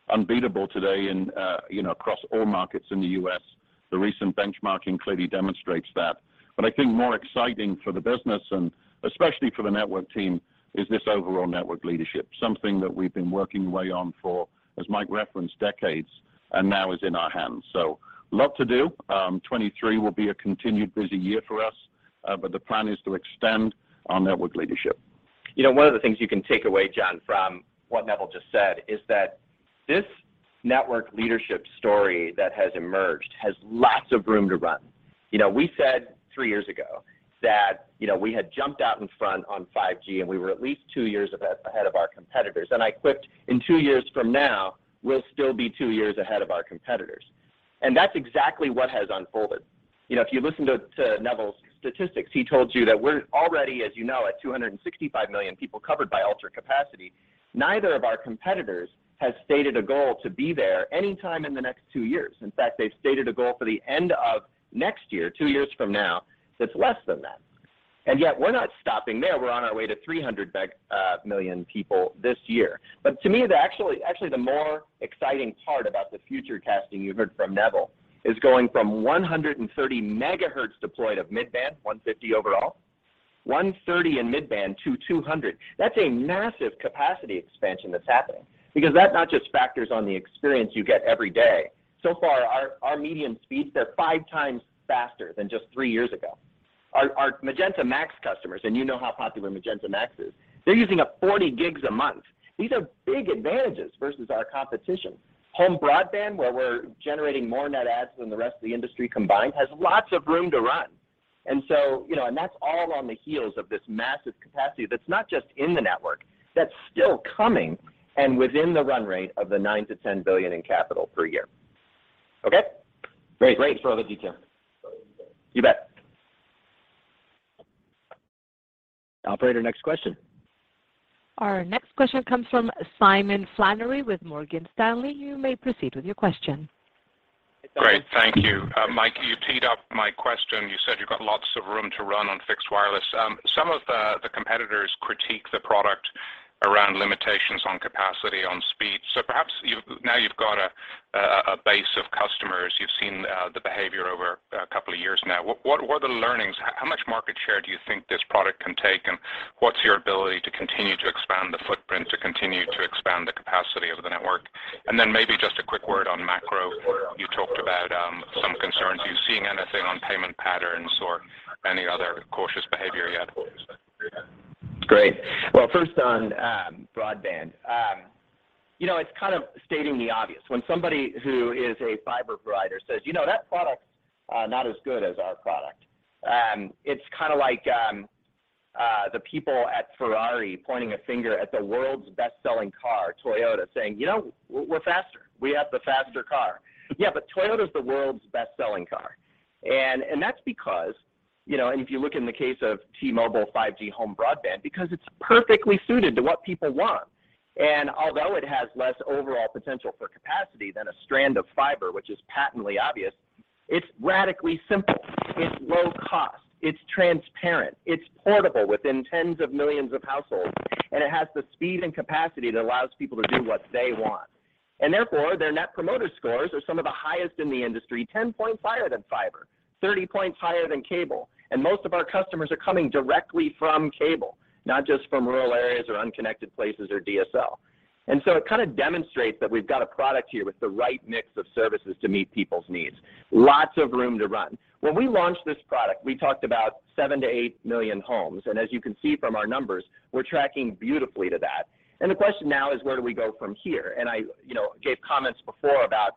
unbeatable today and, you know, across all markets in the U.S. The recent benchmarking clearly demonstrates that. I think more exciting for the business and especially for the network team is this overall network leadership, something that we've been working away on for, as Mike referenced, decades, and now is in our hands. Lot to do. 2023 will be a continued busy year for us, but the plan is to extend our network leadership. You know, one of the things you can take away, Jon, from what Neville just said, is that this network leadership story that has emerged has lots of room to run. You know, we said three years ago that, you know, we had jumped out in front on 5G, we were at least two years ahead of our competitors. I quipped, "In two years from now, we'll still be two years ahead of our competitors." That's exactly what has unfolded. You know, if you listen to Neville's statistics, he told you that we're already, as you know, at 265 million people covered by Ultra Capacity. Neither of our competitors has stated a goal to be there anytime in the next two years. In fact, they've stated a goal for the end of next year, two years from now, that's less than that. Yet we're not stopping there. We're on our way to 300 million people this year. To me, the actually the more exciting part about the future casting you heard from Neville is going from 130 megahertz deployed of mid-band, 150 overall, 130 in mid-band to 200. That's a massive capacity expansion that's happening because that not just factors on the experience you get every day. So far our median speeds are five times faster than just three years ago. Our Magenta MAX customers, and you know how popular Magenta MAX is, they're using up 40 gigs a month. These are big advantages versus our competition. Home broadband, where we're generating more net adds than the rest of the industry combined, has lots of room to run. You know, and that's all on the heels of this massive capacity that's not just in the network, that's still coming and within the run rate of the $9 billion-$10 billion in CapEx per year. Okay? Great. Thanks for all the detail. You bet. Operator, next question. Our next question comes from Simon Flannery with Morgan Stanley. You may proceed with your question. Great. Thank you. Mike, you teed up my question. You said you've got lots of room to run on fixed wireless. Some of the competitors critique the product around limitations on capacity, on speed. Perhaps now you've got a base of customers. You've seen the behavior over two years now. What are the learnings? How much market share do you think this product can take, and what's your ability to continue to expand the footprint, to continue to expand capacity of the network. Maybe just a quick word on macro. You talked about some concerns. Are you seeing anything on payment patterns or any other cautious behavior yet? Great. Well, first on broadband. You know, it's kind of stating the obvious. When somebody who is a fiber provider says, "You know, that product's not as good as our product," it's kinda like the people at Ferrari pointing a finger at the world's best-selling car, Toyota, saying, "You know, we're faster. We have the faster car." Yeah, Toyota's the world's best-selling car, and that's because, you know, and if you look in the case of T-Mobile 5G Home Internet, because it's perfectly suited to what people want. Although it has less overall potential for capacity than a strand of fiber, which is patently obvious, it's radically simple, it's low cost, it's transparent, it's portable within tens of millions of households, and it has the speed and capacity that allows people to do what they want. Therefore, their Net Promoter Score are some of the highest in the industry, 10 points higher than fiber, 30 points higher than cable. Most of our customers are coming directly from cable, not just from rural areas or unconnected places or DSL. It kinda demonstrates that we've got a product here with the right mix of services to meet people's needs. Lots of room to run. When we launched this product, we talked about 7 million-8 million homes. As you can see from our numbers, we're tracking beautifully to that. The question now is, where do we go from here? I, you know, gave comments before about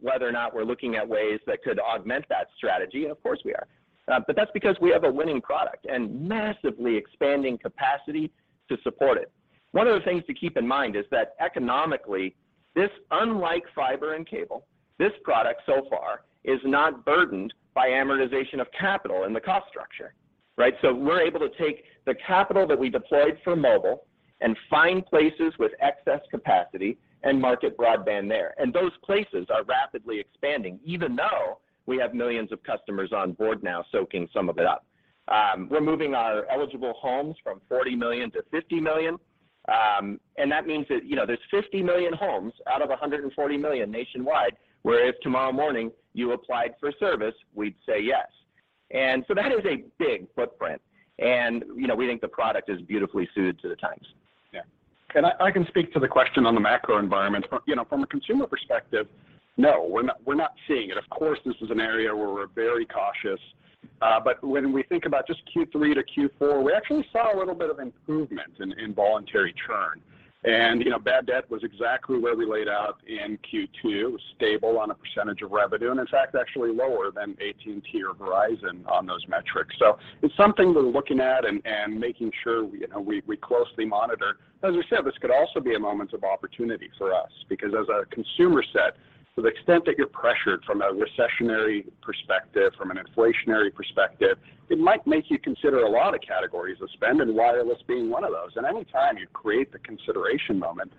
whether or not we're looking at ways that could augment that strategy. Of course we are. That's because we have a winning product and massively expanding capacity to support it. One of the things to keep in mind is that economically, this, unlike fiber and cable, this product so far is not burdened by amortization of capital in the cost structure, right? We're able to take the capital that we deployed for mobile and find places with excess capacity and market broadband there, and those places are rapidly expanding even though we have millions of customers on board now soaking some of it up. We're moving our eligible homes from 40 million to 50 million, and that means that, you know, there's 50 million homes out of 140 million nationwide where if tomorrow morning you applied for service, we'd say yes. That is a big footprint, and, you know, we think the product is beautifully suited to the times. Yeah. I can speak to the question on the macro environment. From, you know, from a consumer perspective, no, we're not, we're not seeing it. Of course, this is an area where we're very cautious, but when we think about just Q3 to Q4, we actually saw a little bit of improvement in voluntary churn. You know, bad debt was exactly where we laid out in Q2. It was stable on a percentage of revenue, and in fact, actually lower than AT&T or Verizon on those metrics. It's something we're looking at and making sure, you know, we closely monitor. As I said, this could also be a moment of opportunity for us because as a consumer set, to the extent that you're pressured from a recessionary perspective, from an inflationary perspective, it might make you consider a lot of categories of spend, and wireless being one of those. Any time you create the consideration moment,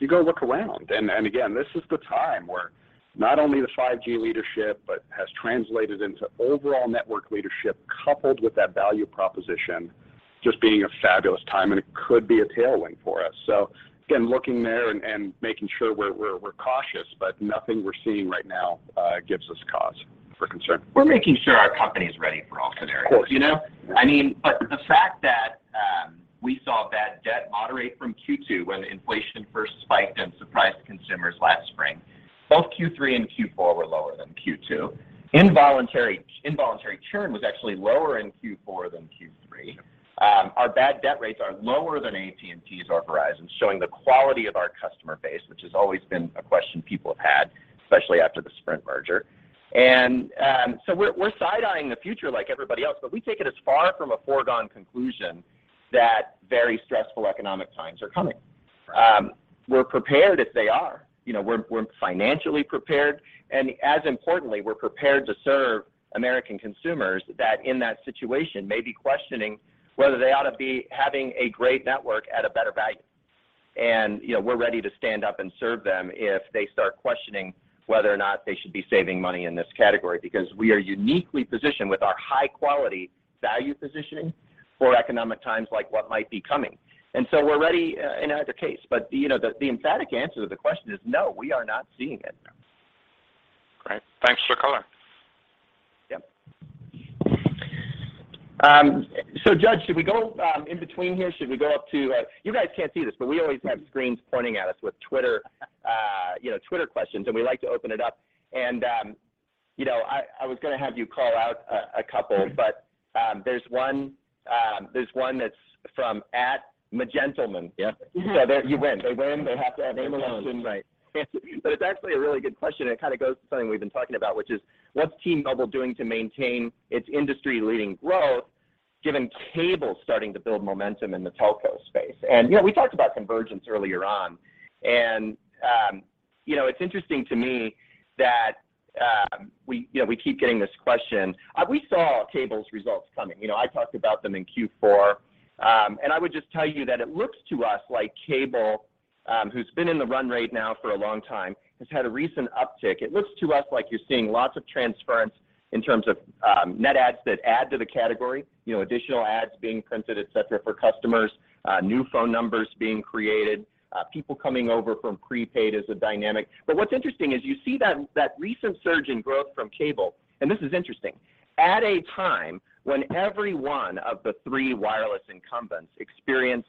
you go look around. Again, this is the time where not only the 5G leadership, but has translated into overall network leadership coupled with that value proposition just being a fabulous time, and it could be a tailwind for us. Again, looking there and making sure we're cautious, but nothing we're seeing right now, gives us cause for concern. We're making sure our company is ready for all scenarios. Of course. You know? I mean, the fact that we saw bad debt moderate from Q2 when inflation first spiked and surprised consumers last spring, both Q3 and Q4 were lower than Q2. Involuntary churn was actually lower in Q4 than Q3. Our bad debt rates are lower than AT&T's or Verizon's, showing the quality of our customer base, which has always been a question people have had, especially after the Sprint merger. We're side-eyeing the future like everybody else, we take it as far from a foregone conclusion that very stressful economic times are coming. We're prepared if they are. You know, we're financially prepared, as importantly, we're prepared to serve American consumers that in that situation may be questioning whether they ought to be having a great network at a better value. You know, we're ready to stand up and serve them if they start questioning whether or not they should be saving money in this category because we are uniquely positioned with our high quality value positioning for economic times like what might be coming. So we're ready, in either case. You know, the emphatic answer to the question is no, we are not seeing it. Great. Thanks for color. Yep. Judge, should we go in between here? Should we go up to, you guys can't see this, but we always have screens pointing at us with Twitter, you know, Twitter questions, and we like to open it up. You know, I was gonna have you call out a couple, but there's one, there's one that's from @magentleman. Yeah. there, you win. They win. They have to have. Name alone. Right. But it's actually a really good question, and it kinda goes to something we've been talking about, which is, what's T-Mobile doing to maintain its industry-leading growth given cable starting to build momentum in the telco space? You know, we talked about convergence earlier on, you know, it's interesting to me that we, you know, we keep getting this question. We saw cable's results coming. You know, I talked about them in Q4. I would just tell you that it looks to us like cable, who's been in the run rate now for a long time, has had a recent uptick. It looks to us like you're seeing lots of transference in terms of net adds that add to the category, you know, additional adds being printed, et cetera, for customers, new phone numbers being created, people coming over from prepaid as a dynamic. What's interesting is you see that recent surge in growth from cable, and this is interesting, at a time when every one of the three wireless incumbents experienced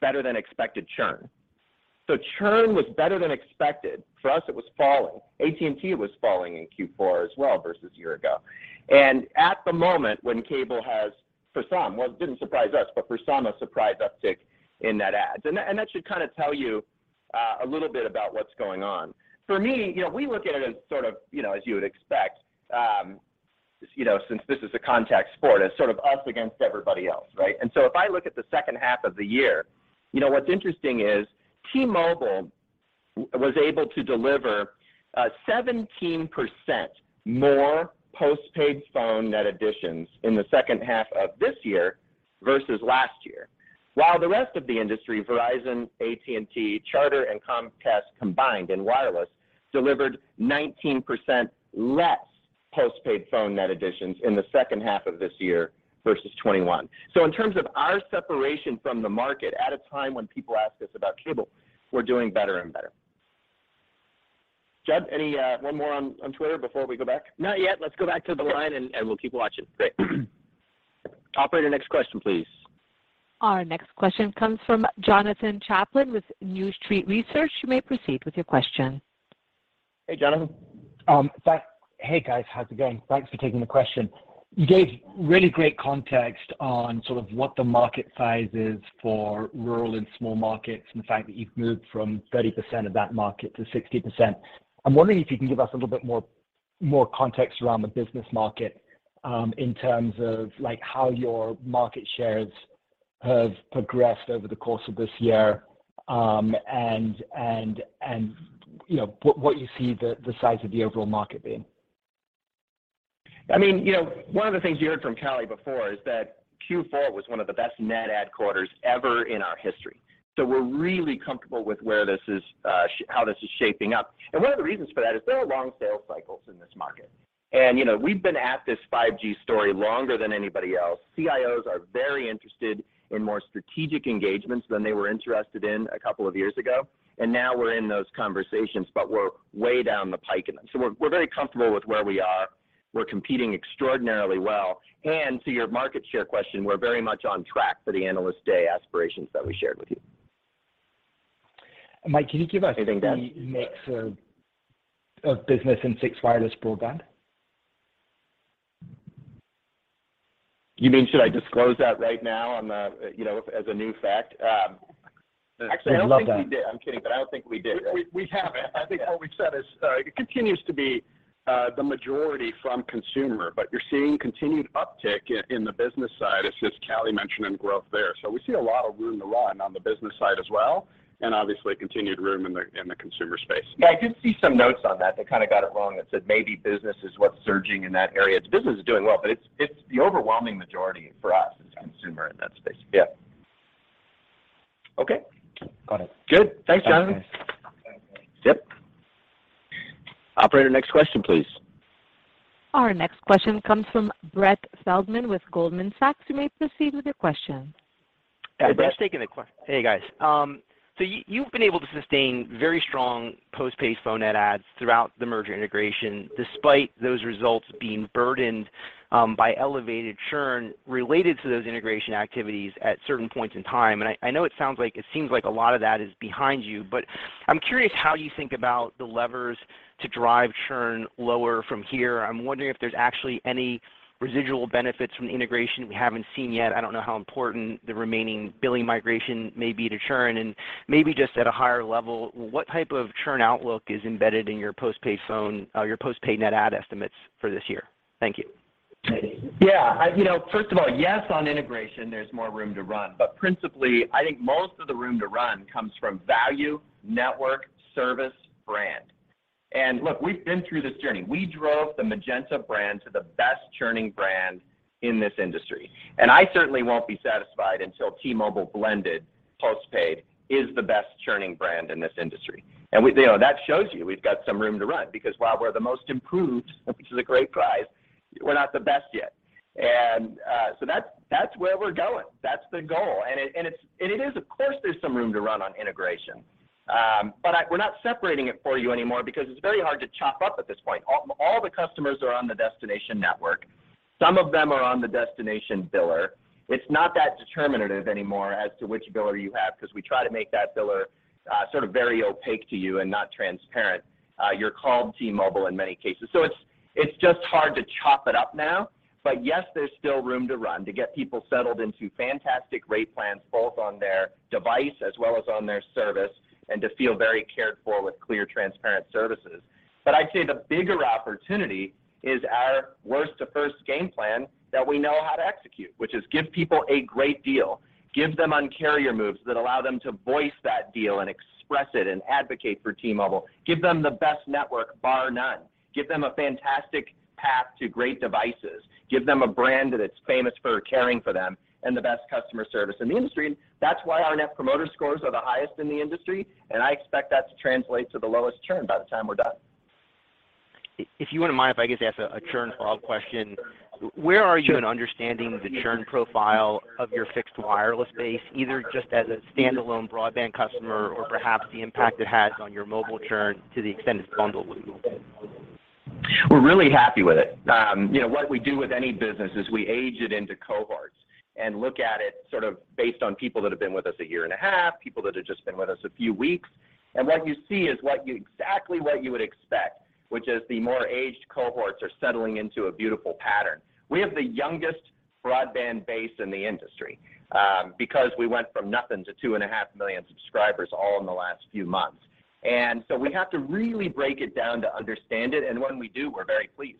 better than expected churn. Churn was better than expected. For us, it was falling. AT&T was falling in Q4 as well versus a year ago. At the moment when cable has, for some, well, it didn't surprise us, but for some, a surprise uptick in net adds. That should kind of tell you a little bit about what's going on. For me, you know, we look at it as sort of, you know, as you would expect, you know, since this is a contact sport as sort of us against everybody else, right. If I look at the second half of the year, you know, what's interesting is T-Mobile was able to deliver 17% more postpaid phone net additions in the second half of this year versus last year, while the rest of the industry, Verizon, AT&T, Charter, and Comcast combined in wireless, delivered 19% less postpaid phone net additions in the second half of this year versus 2021. In terms of our separation from the market at a time when people ask us about cable, we're doing better and better. Jud, any one more on Twitter before we go back? Not yet. Let's go back to the line- Okay. We'll keep watching. Great. Operator, next question, please. Our next question comes from Jonathan Chaplin with New Street Research. You may proceed with your question. Hey, Jonathan. Hey guys, how's it going? Thanks for taking the question. You gave really great context on sort of what the market size is for rural and small markets, and the fact that you've moved from 30% of that market to 60%. I'm wondering if you can give us a little bit more context around the business market, in terms of like how your market shares have progressed over the course of this year, and, you know, what you see the size of the overall market being. I mean, you know, one of the things you heard from Callie before is that Q4 was one of the best net add quarters ever in our history. We're really comfortable with where this is, how this is shaping up. One of the reasons for that is there are long sales cycles in this market. You know, we've been at this 5G story longer than anybody else. CIOs are very interested in more strategic engagements than they were interested in a couple of years ago. Now we're in those conversations, but we're way down the pike in them. We're very comfortable with where we are. We're competing extraordinarily well. To your market share question, we're very much on track for the Analyst Day aspirations that we shared with you. Mike, can you give us the mix of business and fixed wireless broadband? You mean, should I disclose that right now on the, you know, as a new fact? actually, I don't think we did. I'd love that. I'm kidding, but I don't think we did, right? We haven't. Yeah. I think what we've said is, it continues to be, the majority from consumer, but you're seeing continued uptick in the business side, as Callie mentioned, and growth there. We see a lot of room to run on the business side as well, and obviously continued room in the, in the consumer space. Yeah, I did see some notes on that that kind of got it wrong. Maybe business is what's surging in that area. Business is doing well, but it's the overwhelming majority for us is consumer in that space. Yeah. Okay. Got it. Good. Thanks, Jonathan. Okay. Yep. Operator, next question, please. Our next question comes from Brett Feldman with Goldman Sachs. You may proceed with your question. Hi, Brett. Thanks for taking the Hey, guys. You've been able to sustain very strong postpaid phone net adds throughout the merger integration, despite those results being burdened by elevated churn related to those integration activities at certain points in time. I know it sounds like it seems like a lot of that is behind you, but I'm curious how you think about the levers to drive churn lower from here. I'm wondering if there's actually any residual benefits from the integration we haven't seen yet. I don't know how important the remaining billing migration may be to churn and maybe just at a higher level, what type of churn outlook is embedded in your postpaid phone, your postpaid net add estimates for this year? Thank you. Yeah. I, you know, first of all, yes, on integration, there's more room to run, but principally, I think most of the room to run comes from value, network, service, brand. Look, we've been through this journey. We drove the Magenta brand to the best churning brand in this industry, and I certainly won't be satisfied until T-Mobile blended postpaid is the best churning brand in this industry. We, you know, that shows you we've got some room to run because while we're the most improved, which is a great prize, we're not the best yet. That's where we're going. That's the goal. It is, of course, there's some room to run on integration. We're not separating it for you anymore because it's very hard to chop up at this point. All the customers are on the destination network. Some of them are on the destination biller. It's not that determinative anymore as to which biller you have because we try to make that biller sort of very opaque to you and not transparent. You're called T-Mobile in many cases. It's just hard to chop it up now. Yes, there's still room to run to get people settled into fantastic rate plans, both on their device as well as on their service, and to feel very cared for with clear, transparent services. I'd say the bigger opportunity is our worst to first game plan that we know how to execute, which is give people a great deal, give them Un-carrier moves that allow them to voice that deal and express it and advocate for T-Mobile. Give them the best network, bar none. Give them a fantastic path to great devices. Give them a brand that's famous for caring for them and the best customer service in the industry. That's why our Net Promoter Score are the highest in the industry, and I expect that to translate to the lowest churn by the time we're done. If you wouldn't mind, if I could just ask a churn follow-up question? Sure. Where are you in understanding the churn profile of your fixed wireless base, either just as a standalone broadband customer or perhaps the impact it has on your mobile churn to the extent it's bundled with mobile? We're really happy with it. you know, what we do with any business is we age it into cohorts and look at it sort of based on people that have been with us a year and a half, people that have just been with us a few weeks. What you see is exactly what you would expect, which is the more aged cohorts are settling into a beautiful pattern. We have the youngest broadband base in the industry, because we went from nothing to 2.5 million subscribers all in the last few months. So we have to really break it down to understand it, and when we do, we're very pleased.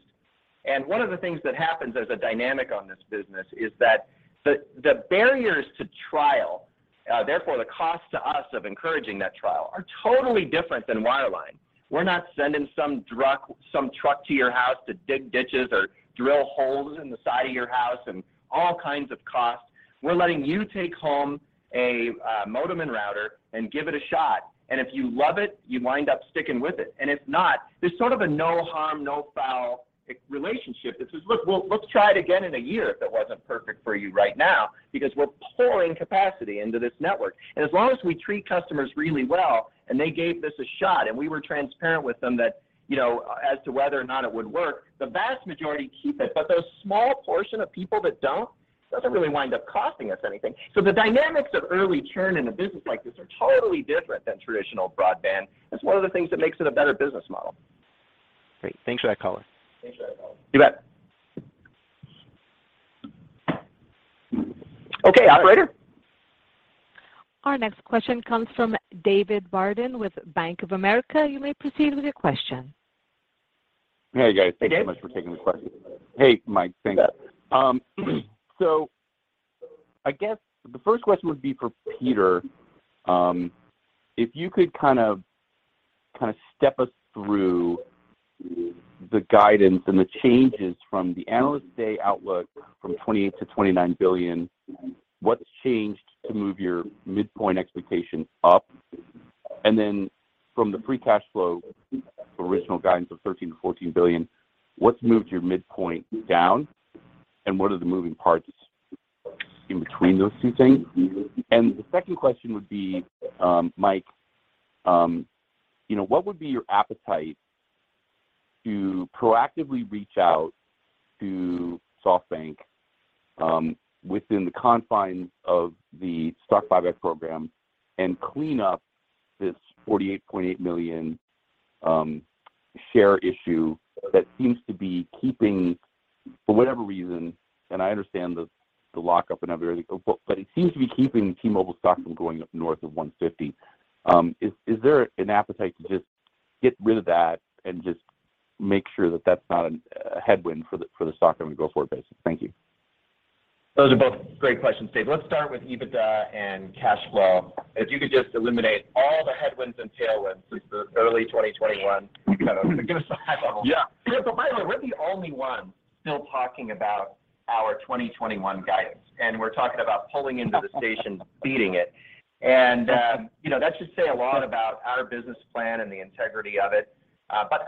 One of the things that happens as a dynamic on this business is that the barriers to trial, therefore the cost to us of encouraging that trial are totally different than wireline. We're not sending some truck to your house to dig ditches or drill holes in the side of your house and all kinds of costs. We're letting you take home a modem and router and give it a shot. If you love it, you wind up sticking with it, and if not, there's sort of a no harm, no foul relationship that says, "Look, let's try it again in a year if it wasn't perfect for you right now," because we're pouring capacity into this network. As long as we treat customers really well and they gave this a shot and we were transparent with them that, you know, as to whether or not it would work, the vast majority keep it. Those small portion of people that don't, doesn't really wind up costing us anything. The dynamics of early churn in a business like this are totally different than traditional broadband. That's one of the things that makes it a better business model. Great. Thanks for that color. You bet. Okay, operator. Our next question comes from David Barden with Bank of America. You may proceed with your question. Hey, guys. Hey, Dave. Thanks so much for taking the question. Hey, Mike. Thanks. You bet. I guess the first question would be for Peter. If you could kind of step us through the guidance and the changes from the Analyst Day outlook from $28 billion-$29 billion, what's changed to move your midpoint expectation up? From the free cash flow original guidance of $13 billion-$14 billion, what's moved your midpoint down, and what are the moving parts in between those two things? The second question would be, Mike, you know, what would be your appetite to proactively reach out to SoftBank within the confines of the stock buyback program and clean up this 48.8 million share issue that seems to be keeping, for whatever reason, and I understand the lockup and other, but it seems to be keeping T-Mobile stock from going up north of 150. Is there an appetite to just get rid of that and just make sure that that's not a headwind for the stock on a go-forward basis? Thank you. Those are both great questions, Dave. Let's start with EBITDA and cash flow. If you could just eliminate all the headwinds and tailwinds since the early 2021 kind of give us a high level. Yeah. By the way, we're the only ones still talking about our 2021 guidance, and we're talking about pulling into the station beating it. You know, that should say a lot about our business plan and the integrity of it.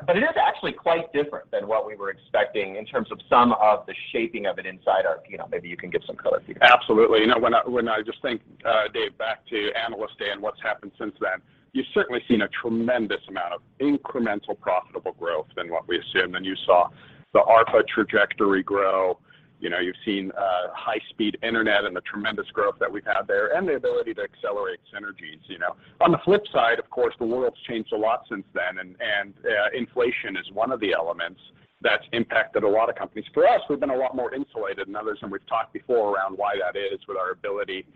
But it is actually quite different than what we were expecting in terms of some of the shaping of it inside our, you know, maybe you can give some color, Peter. Absolutely. You know, when I, when I just think, Dave, back to Analyst Day and what's happened since then, you've certainly seen a tremendous amount of incremental profitable growth than what we assumed. You saw the ARPA trajectory grow. You know, you've seen high speed internet and the tremendous growth that we've had there and the ability to accelerate synergies, you know. On the flip side, of course, the world's changed a lot since then and inflation is one of the elements that's impacted a lot of companies. For us, we've been a lot more insulated than others, and we've talked before around why that is with our ability, you know,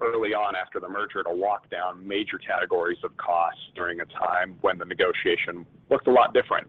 early on after the merger to lock down major categories of costs during a time when the negotiation looked a lot different,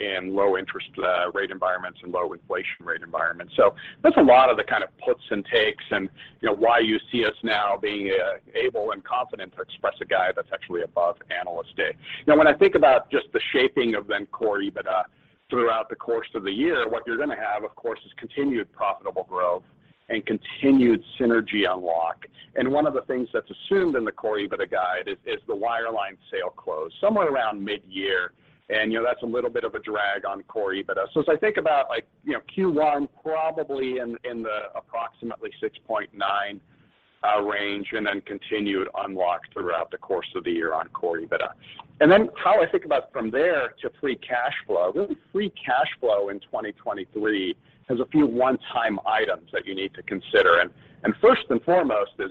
in low interest rate environments and low inflation rate environments. That's a lot of the kind of puts and takes and, you know, why you see us now being able and confident to express a guide that's actually above Analyst Day. When I think about just the shaping of then core EBITDA throughout the course of the year, what you're gonna have, of course, is continued profitable growth and continued synergy unlock. One of the things that's assumed in the core EBITDA guide is the wireline sale close somewhere around midyear and, you know, that's a little bit of a drag on core EBITDA. As I think about like, you know, Q1 probably in the approximately $6.9 range and then continued unlock throughout the course of the year on core EBITDA. How I think about from there to free cash flow, really free cash flow in 2023 has a few one-time items that you need to consider. First and foremost is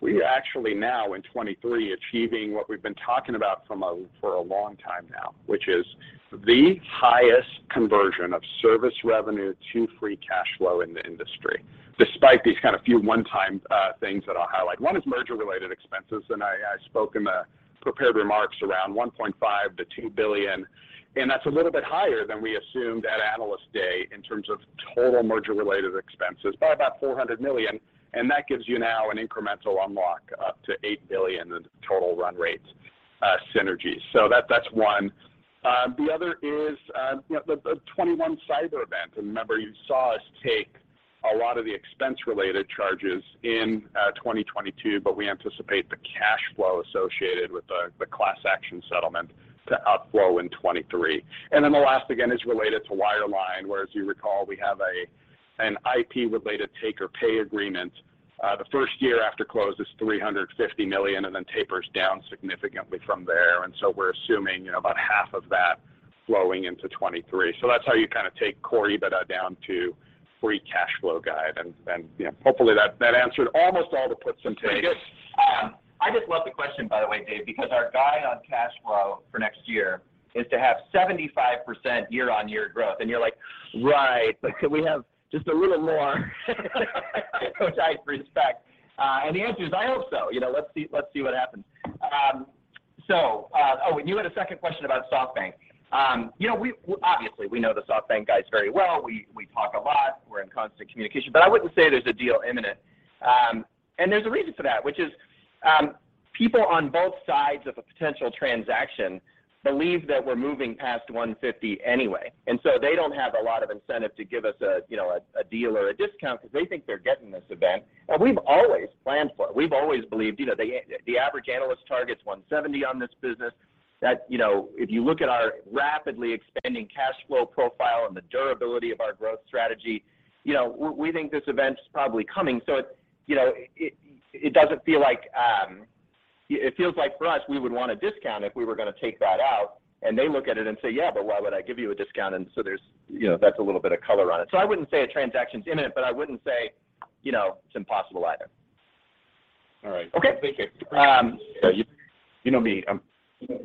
we actually now in 2023 achieving what we've been talking about for a long time now, which is the highest conversion of service revenue to free cash flow in the industry, despite these kind of few one-time things that I'll highlight. One is merger related expenses, and I spoke in the prepared remarks around $1.5 billion-$2 billion, and that's a little bit higher than we assumed at Analyst Day in terms of total merger related expenses by about $400 million. That gives you now an incremental unlock up to $8 billion in total run rates synergies. That's one. The other is, you know, the 2021 cyber event. Remember you saw us take a lot of the expense related charges in 2022, but we anticipate the cash flow associated with the class action settlement to outflow in 2023. The last again is related to wireline, where as you recall, we have an IP related take-or-pay agreement, the first year after close is $350 million and then tapers down significantly from there. We're assuming, you know, about half of that flowing into 2023. That's how you kinda take Core EBITDA down to free cash flow guide. Hopefully that answered almost all the puts and takes. It's pretty good. I just love the question by the way, Dave, because our guide on cash flow for next year is to have 75% year-on-year growth. You're like, "Right, but could we have just a little more?" Which I respect. The answer is I hope so. You know, let's see, let's see what happens. Oh, and you had a second question about SoftBank. You know, obviously, we know the SoftBank guys very well. We talk a lot, we're in constant communication. I wouldn't say there's a deal imminent. There's a reason for that, which is, people on both sides of a potential transaction believe that we're moving past 150 anyway, they don't have a lot of incentive to give us a, you know, a deal or a discount because they think they're getting this event. We've always planned for it. We've always believed, you know, the average analyst targets 170 on this business, that, you know, if you look at our rapidly expanding cash flow profile and the durability of our growth strategy, you know, we think this event is probably coming. You know, it doesn't feel like. It feels like for us, we would want a discount if we were gonna take that out, they look at it and say, "Yeah, why would I give you a discount?" There's. You know, that's a little bit of color on it. I wouldn't say a transaction's imminent, but I wouldn't say, you know, it's impossible either. All right. Okay. Thank you. Um- You, you know me. Thanks,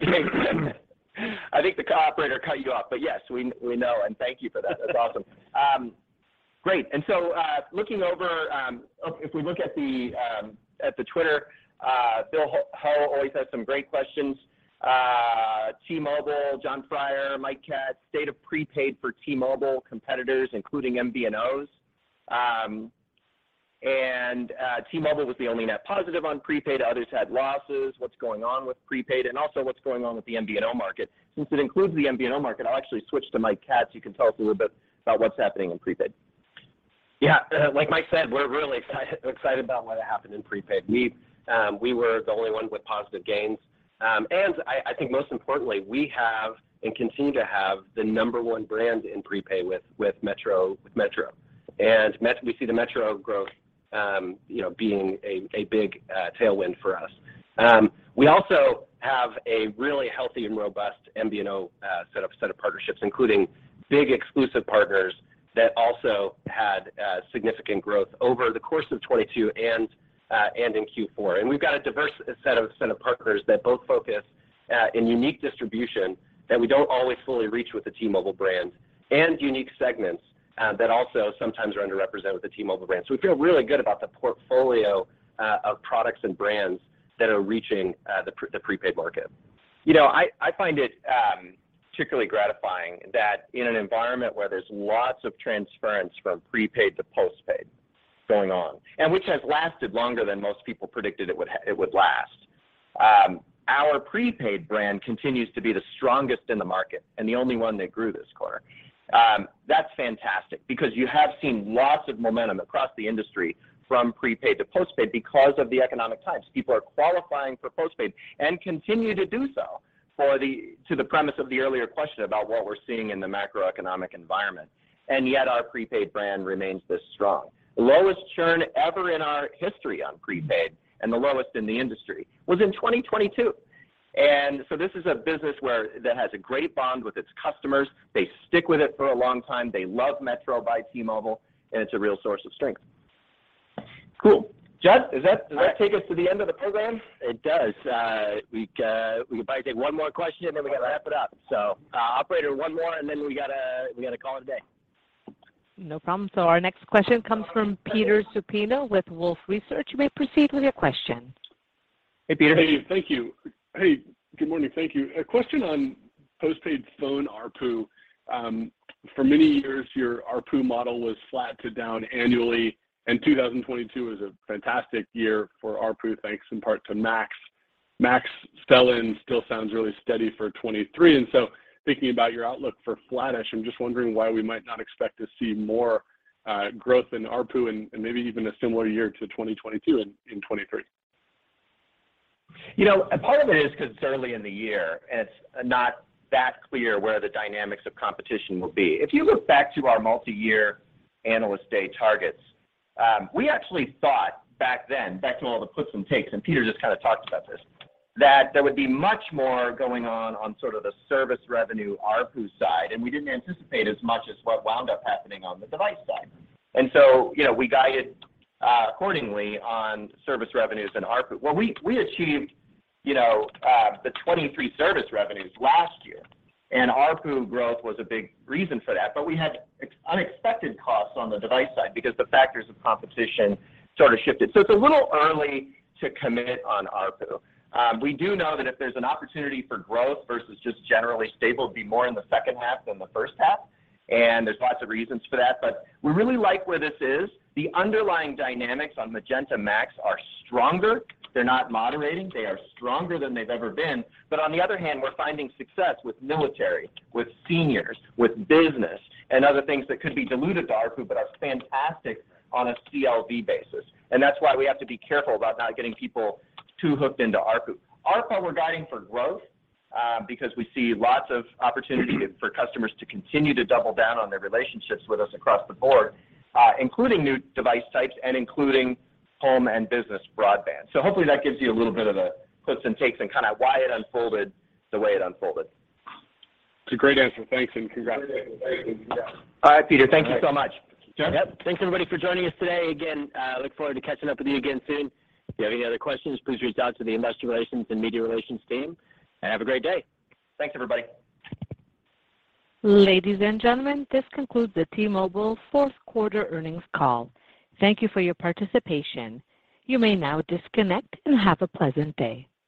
Dave. I think the operator cut you off, yes, we know, and thank you for that. That's awesome. Great. Looking over, if we look at the Twitter, John Hodulik always has some great questions. T-Mobile, Jon Freier, Mike Katz, state of prepaid for T-Mobile competitors including MVNOs. T-Mobile was the only net positive on prepaid, others had losses. What's going on with prepaid, and also what's going on with the MVNO market? Since it includes the MVNO market, I'll actually switch to Mike Katz. You can tell us a little bit about what's happening in prepaid. Yeah. Like Mike said, we're really excited about what happened in prepaid. We were the only ones with positive gains. And I think most importantly, we have and continue to have the number one brand in prepaid with Metro. We see the Metro growth, you know, being a big tailwind for us. We also have a really healthy and robust MVNO set of partnerships, including big exclusive partners that also had significant growth over the course of 2022 and in Q4. We've got a diverse set of partners that both focus in unique distribution that we don't always fully reach with the T-Mobile brand and unique segments that also sometimes are underrepresented with the T-Mobile brand. We feel really good about the portfolio of products and brands that are reaching the prepaid market. You know, I find it particularly gratifying that in an environment where there's lots of transference from prepaid to postpaid going on, and which has lasted longer than most people predicted it would last, our prepaid brand continues to be the strongest in the market and the only one that grew this quarter. That's fantastic because you have seen lots of momentum across the industry from prepaid to postpaid because of the economic times. People are qualifying for postpaid and continue to do so to the premise of the earlier question about what we're seeing in the macroeconomic environment. Yet our prepaid brand remains this strong. Lowest churn ever in our history on prepaid and the lowest in the industry was in 2022. This is a business that has a great bond with its customers. They stick with it for a long time. They love Metro by T-Mobile, and it's a real source of strength. Cool. Jud, does that- Does that take us to the end of the program? It does. We could probably take one more question, and then we gotta wrap it up. Operator, one more, and then we gotta call it a day. No problem. Our next question comes from Peter Supino with Wolfe Research. You may proceed with your question. Hey, Peter. Hey. Thank you. Hey, good morning. Thank you. A question on postpaid phone ARPU. For many years, your ARPU model was flat to down annually, and 2022 was a fantastic year for ARPU, thanks in part to Max. Max sell-in still sounds really steady for 2023. Thinking about your outlook for flatish, I'm just wondering why we might not expect to see more growth in ARPU and maybe even a similar year to 2022 in 2023. You know, a part of it is 'cause it's early in the year, and it's not that clear where the dynamics of competition will be. If you look back to our multi-year Analyst Day targets, we actually thought back then, back to all the puts and takes, and Peter just kinda talked about this, that there would be much more going on on sort of the service revenue ARPU side, and we didn't anticipate as much as what wound up happening on the device side. You know, we guided accordingly on service revenues and ARPU. Well, we achieved, you know, the 2023 service revenues last year, and ARPU growth was a big reason for that. We had unexpected costs on the device side because the factors of competition sort of shifted. It's a little early to commit on ARPU. We do know that if there's an opportunity for growth versus just generally stable, it'd be more in the second half than the first half, and there's lots of reasons for that. We really like where this is. The underlying dynamics on Magenta MAX are stronger. They're not moderating. They are stronger than they've ever been. On the other hand, we're finding success with military, with seniors, with business, and other things that could be diluted to ARPU but are fantastic on a CLV basis. That's why we have to be careful about not getting people too hooked into ARPU. ARPA, we're guiding for growth because we see lots of opportunity for customers to continue to double down on their relationships with us across the board, including new device types and including home and business broadband. Hopefully that gives you a little bit of the puts and takes and kind of why it unfolded the way it unfolded. It's a great answer. Thanks and congratulations. All right, Peter. Thank you so much. Yep. Thanks, everybody, for joining us today. Again, look forward to catching up with you again soon. If you have any other questions, please reach out to the investor relations and media relations team, and have a great day. Thanks, everybody. Ladies and gentlemen, this concludes the T-Mobile Q4 earnings call. Thank you for your participation. You may now disconnect and have a pleasant day.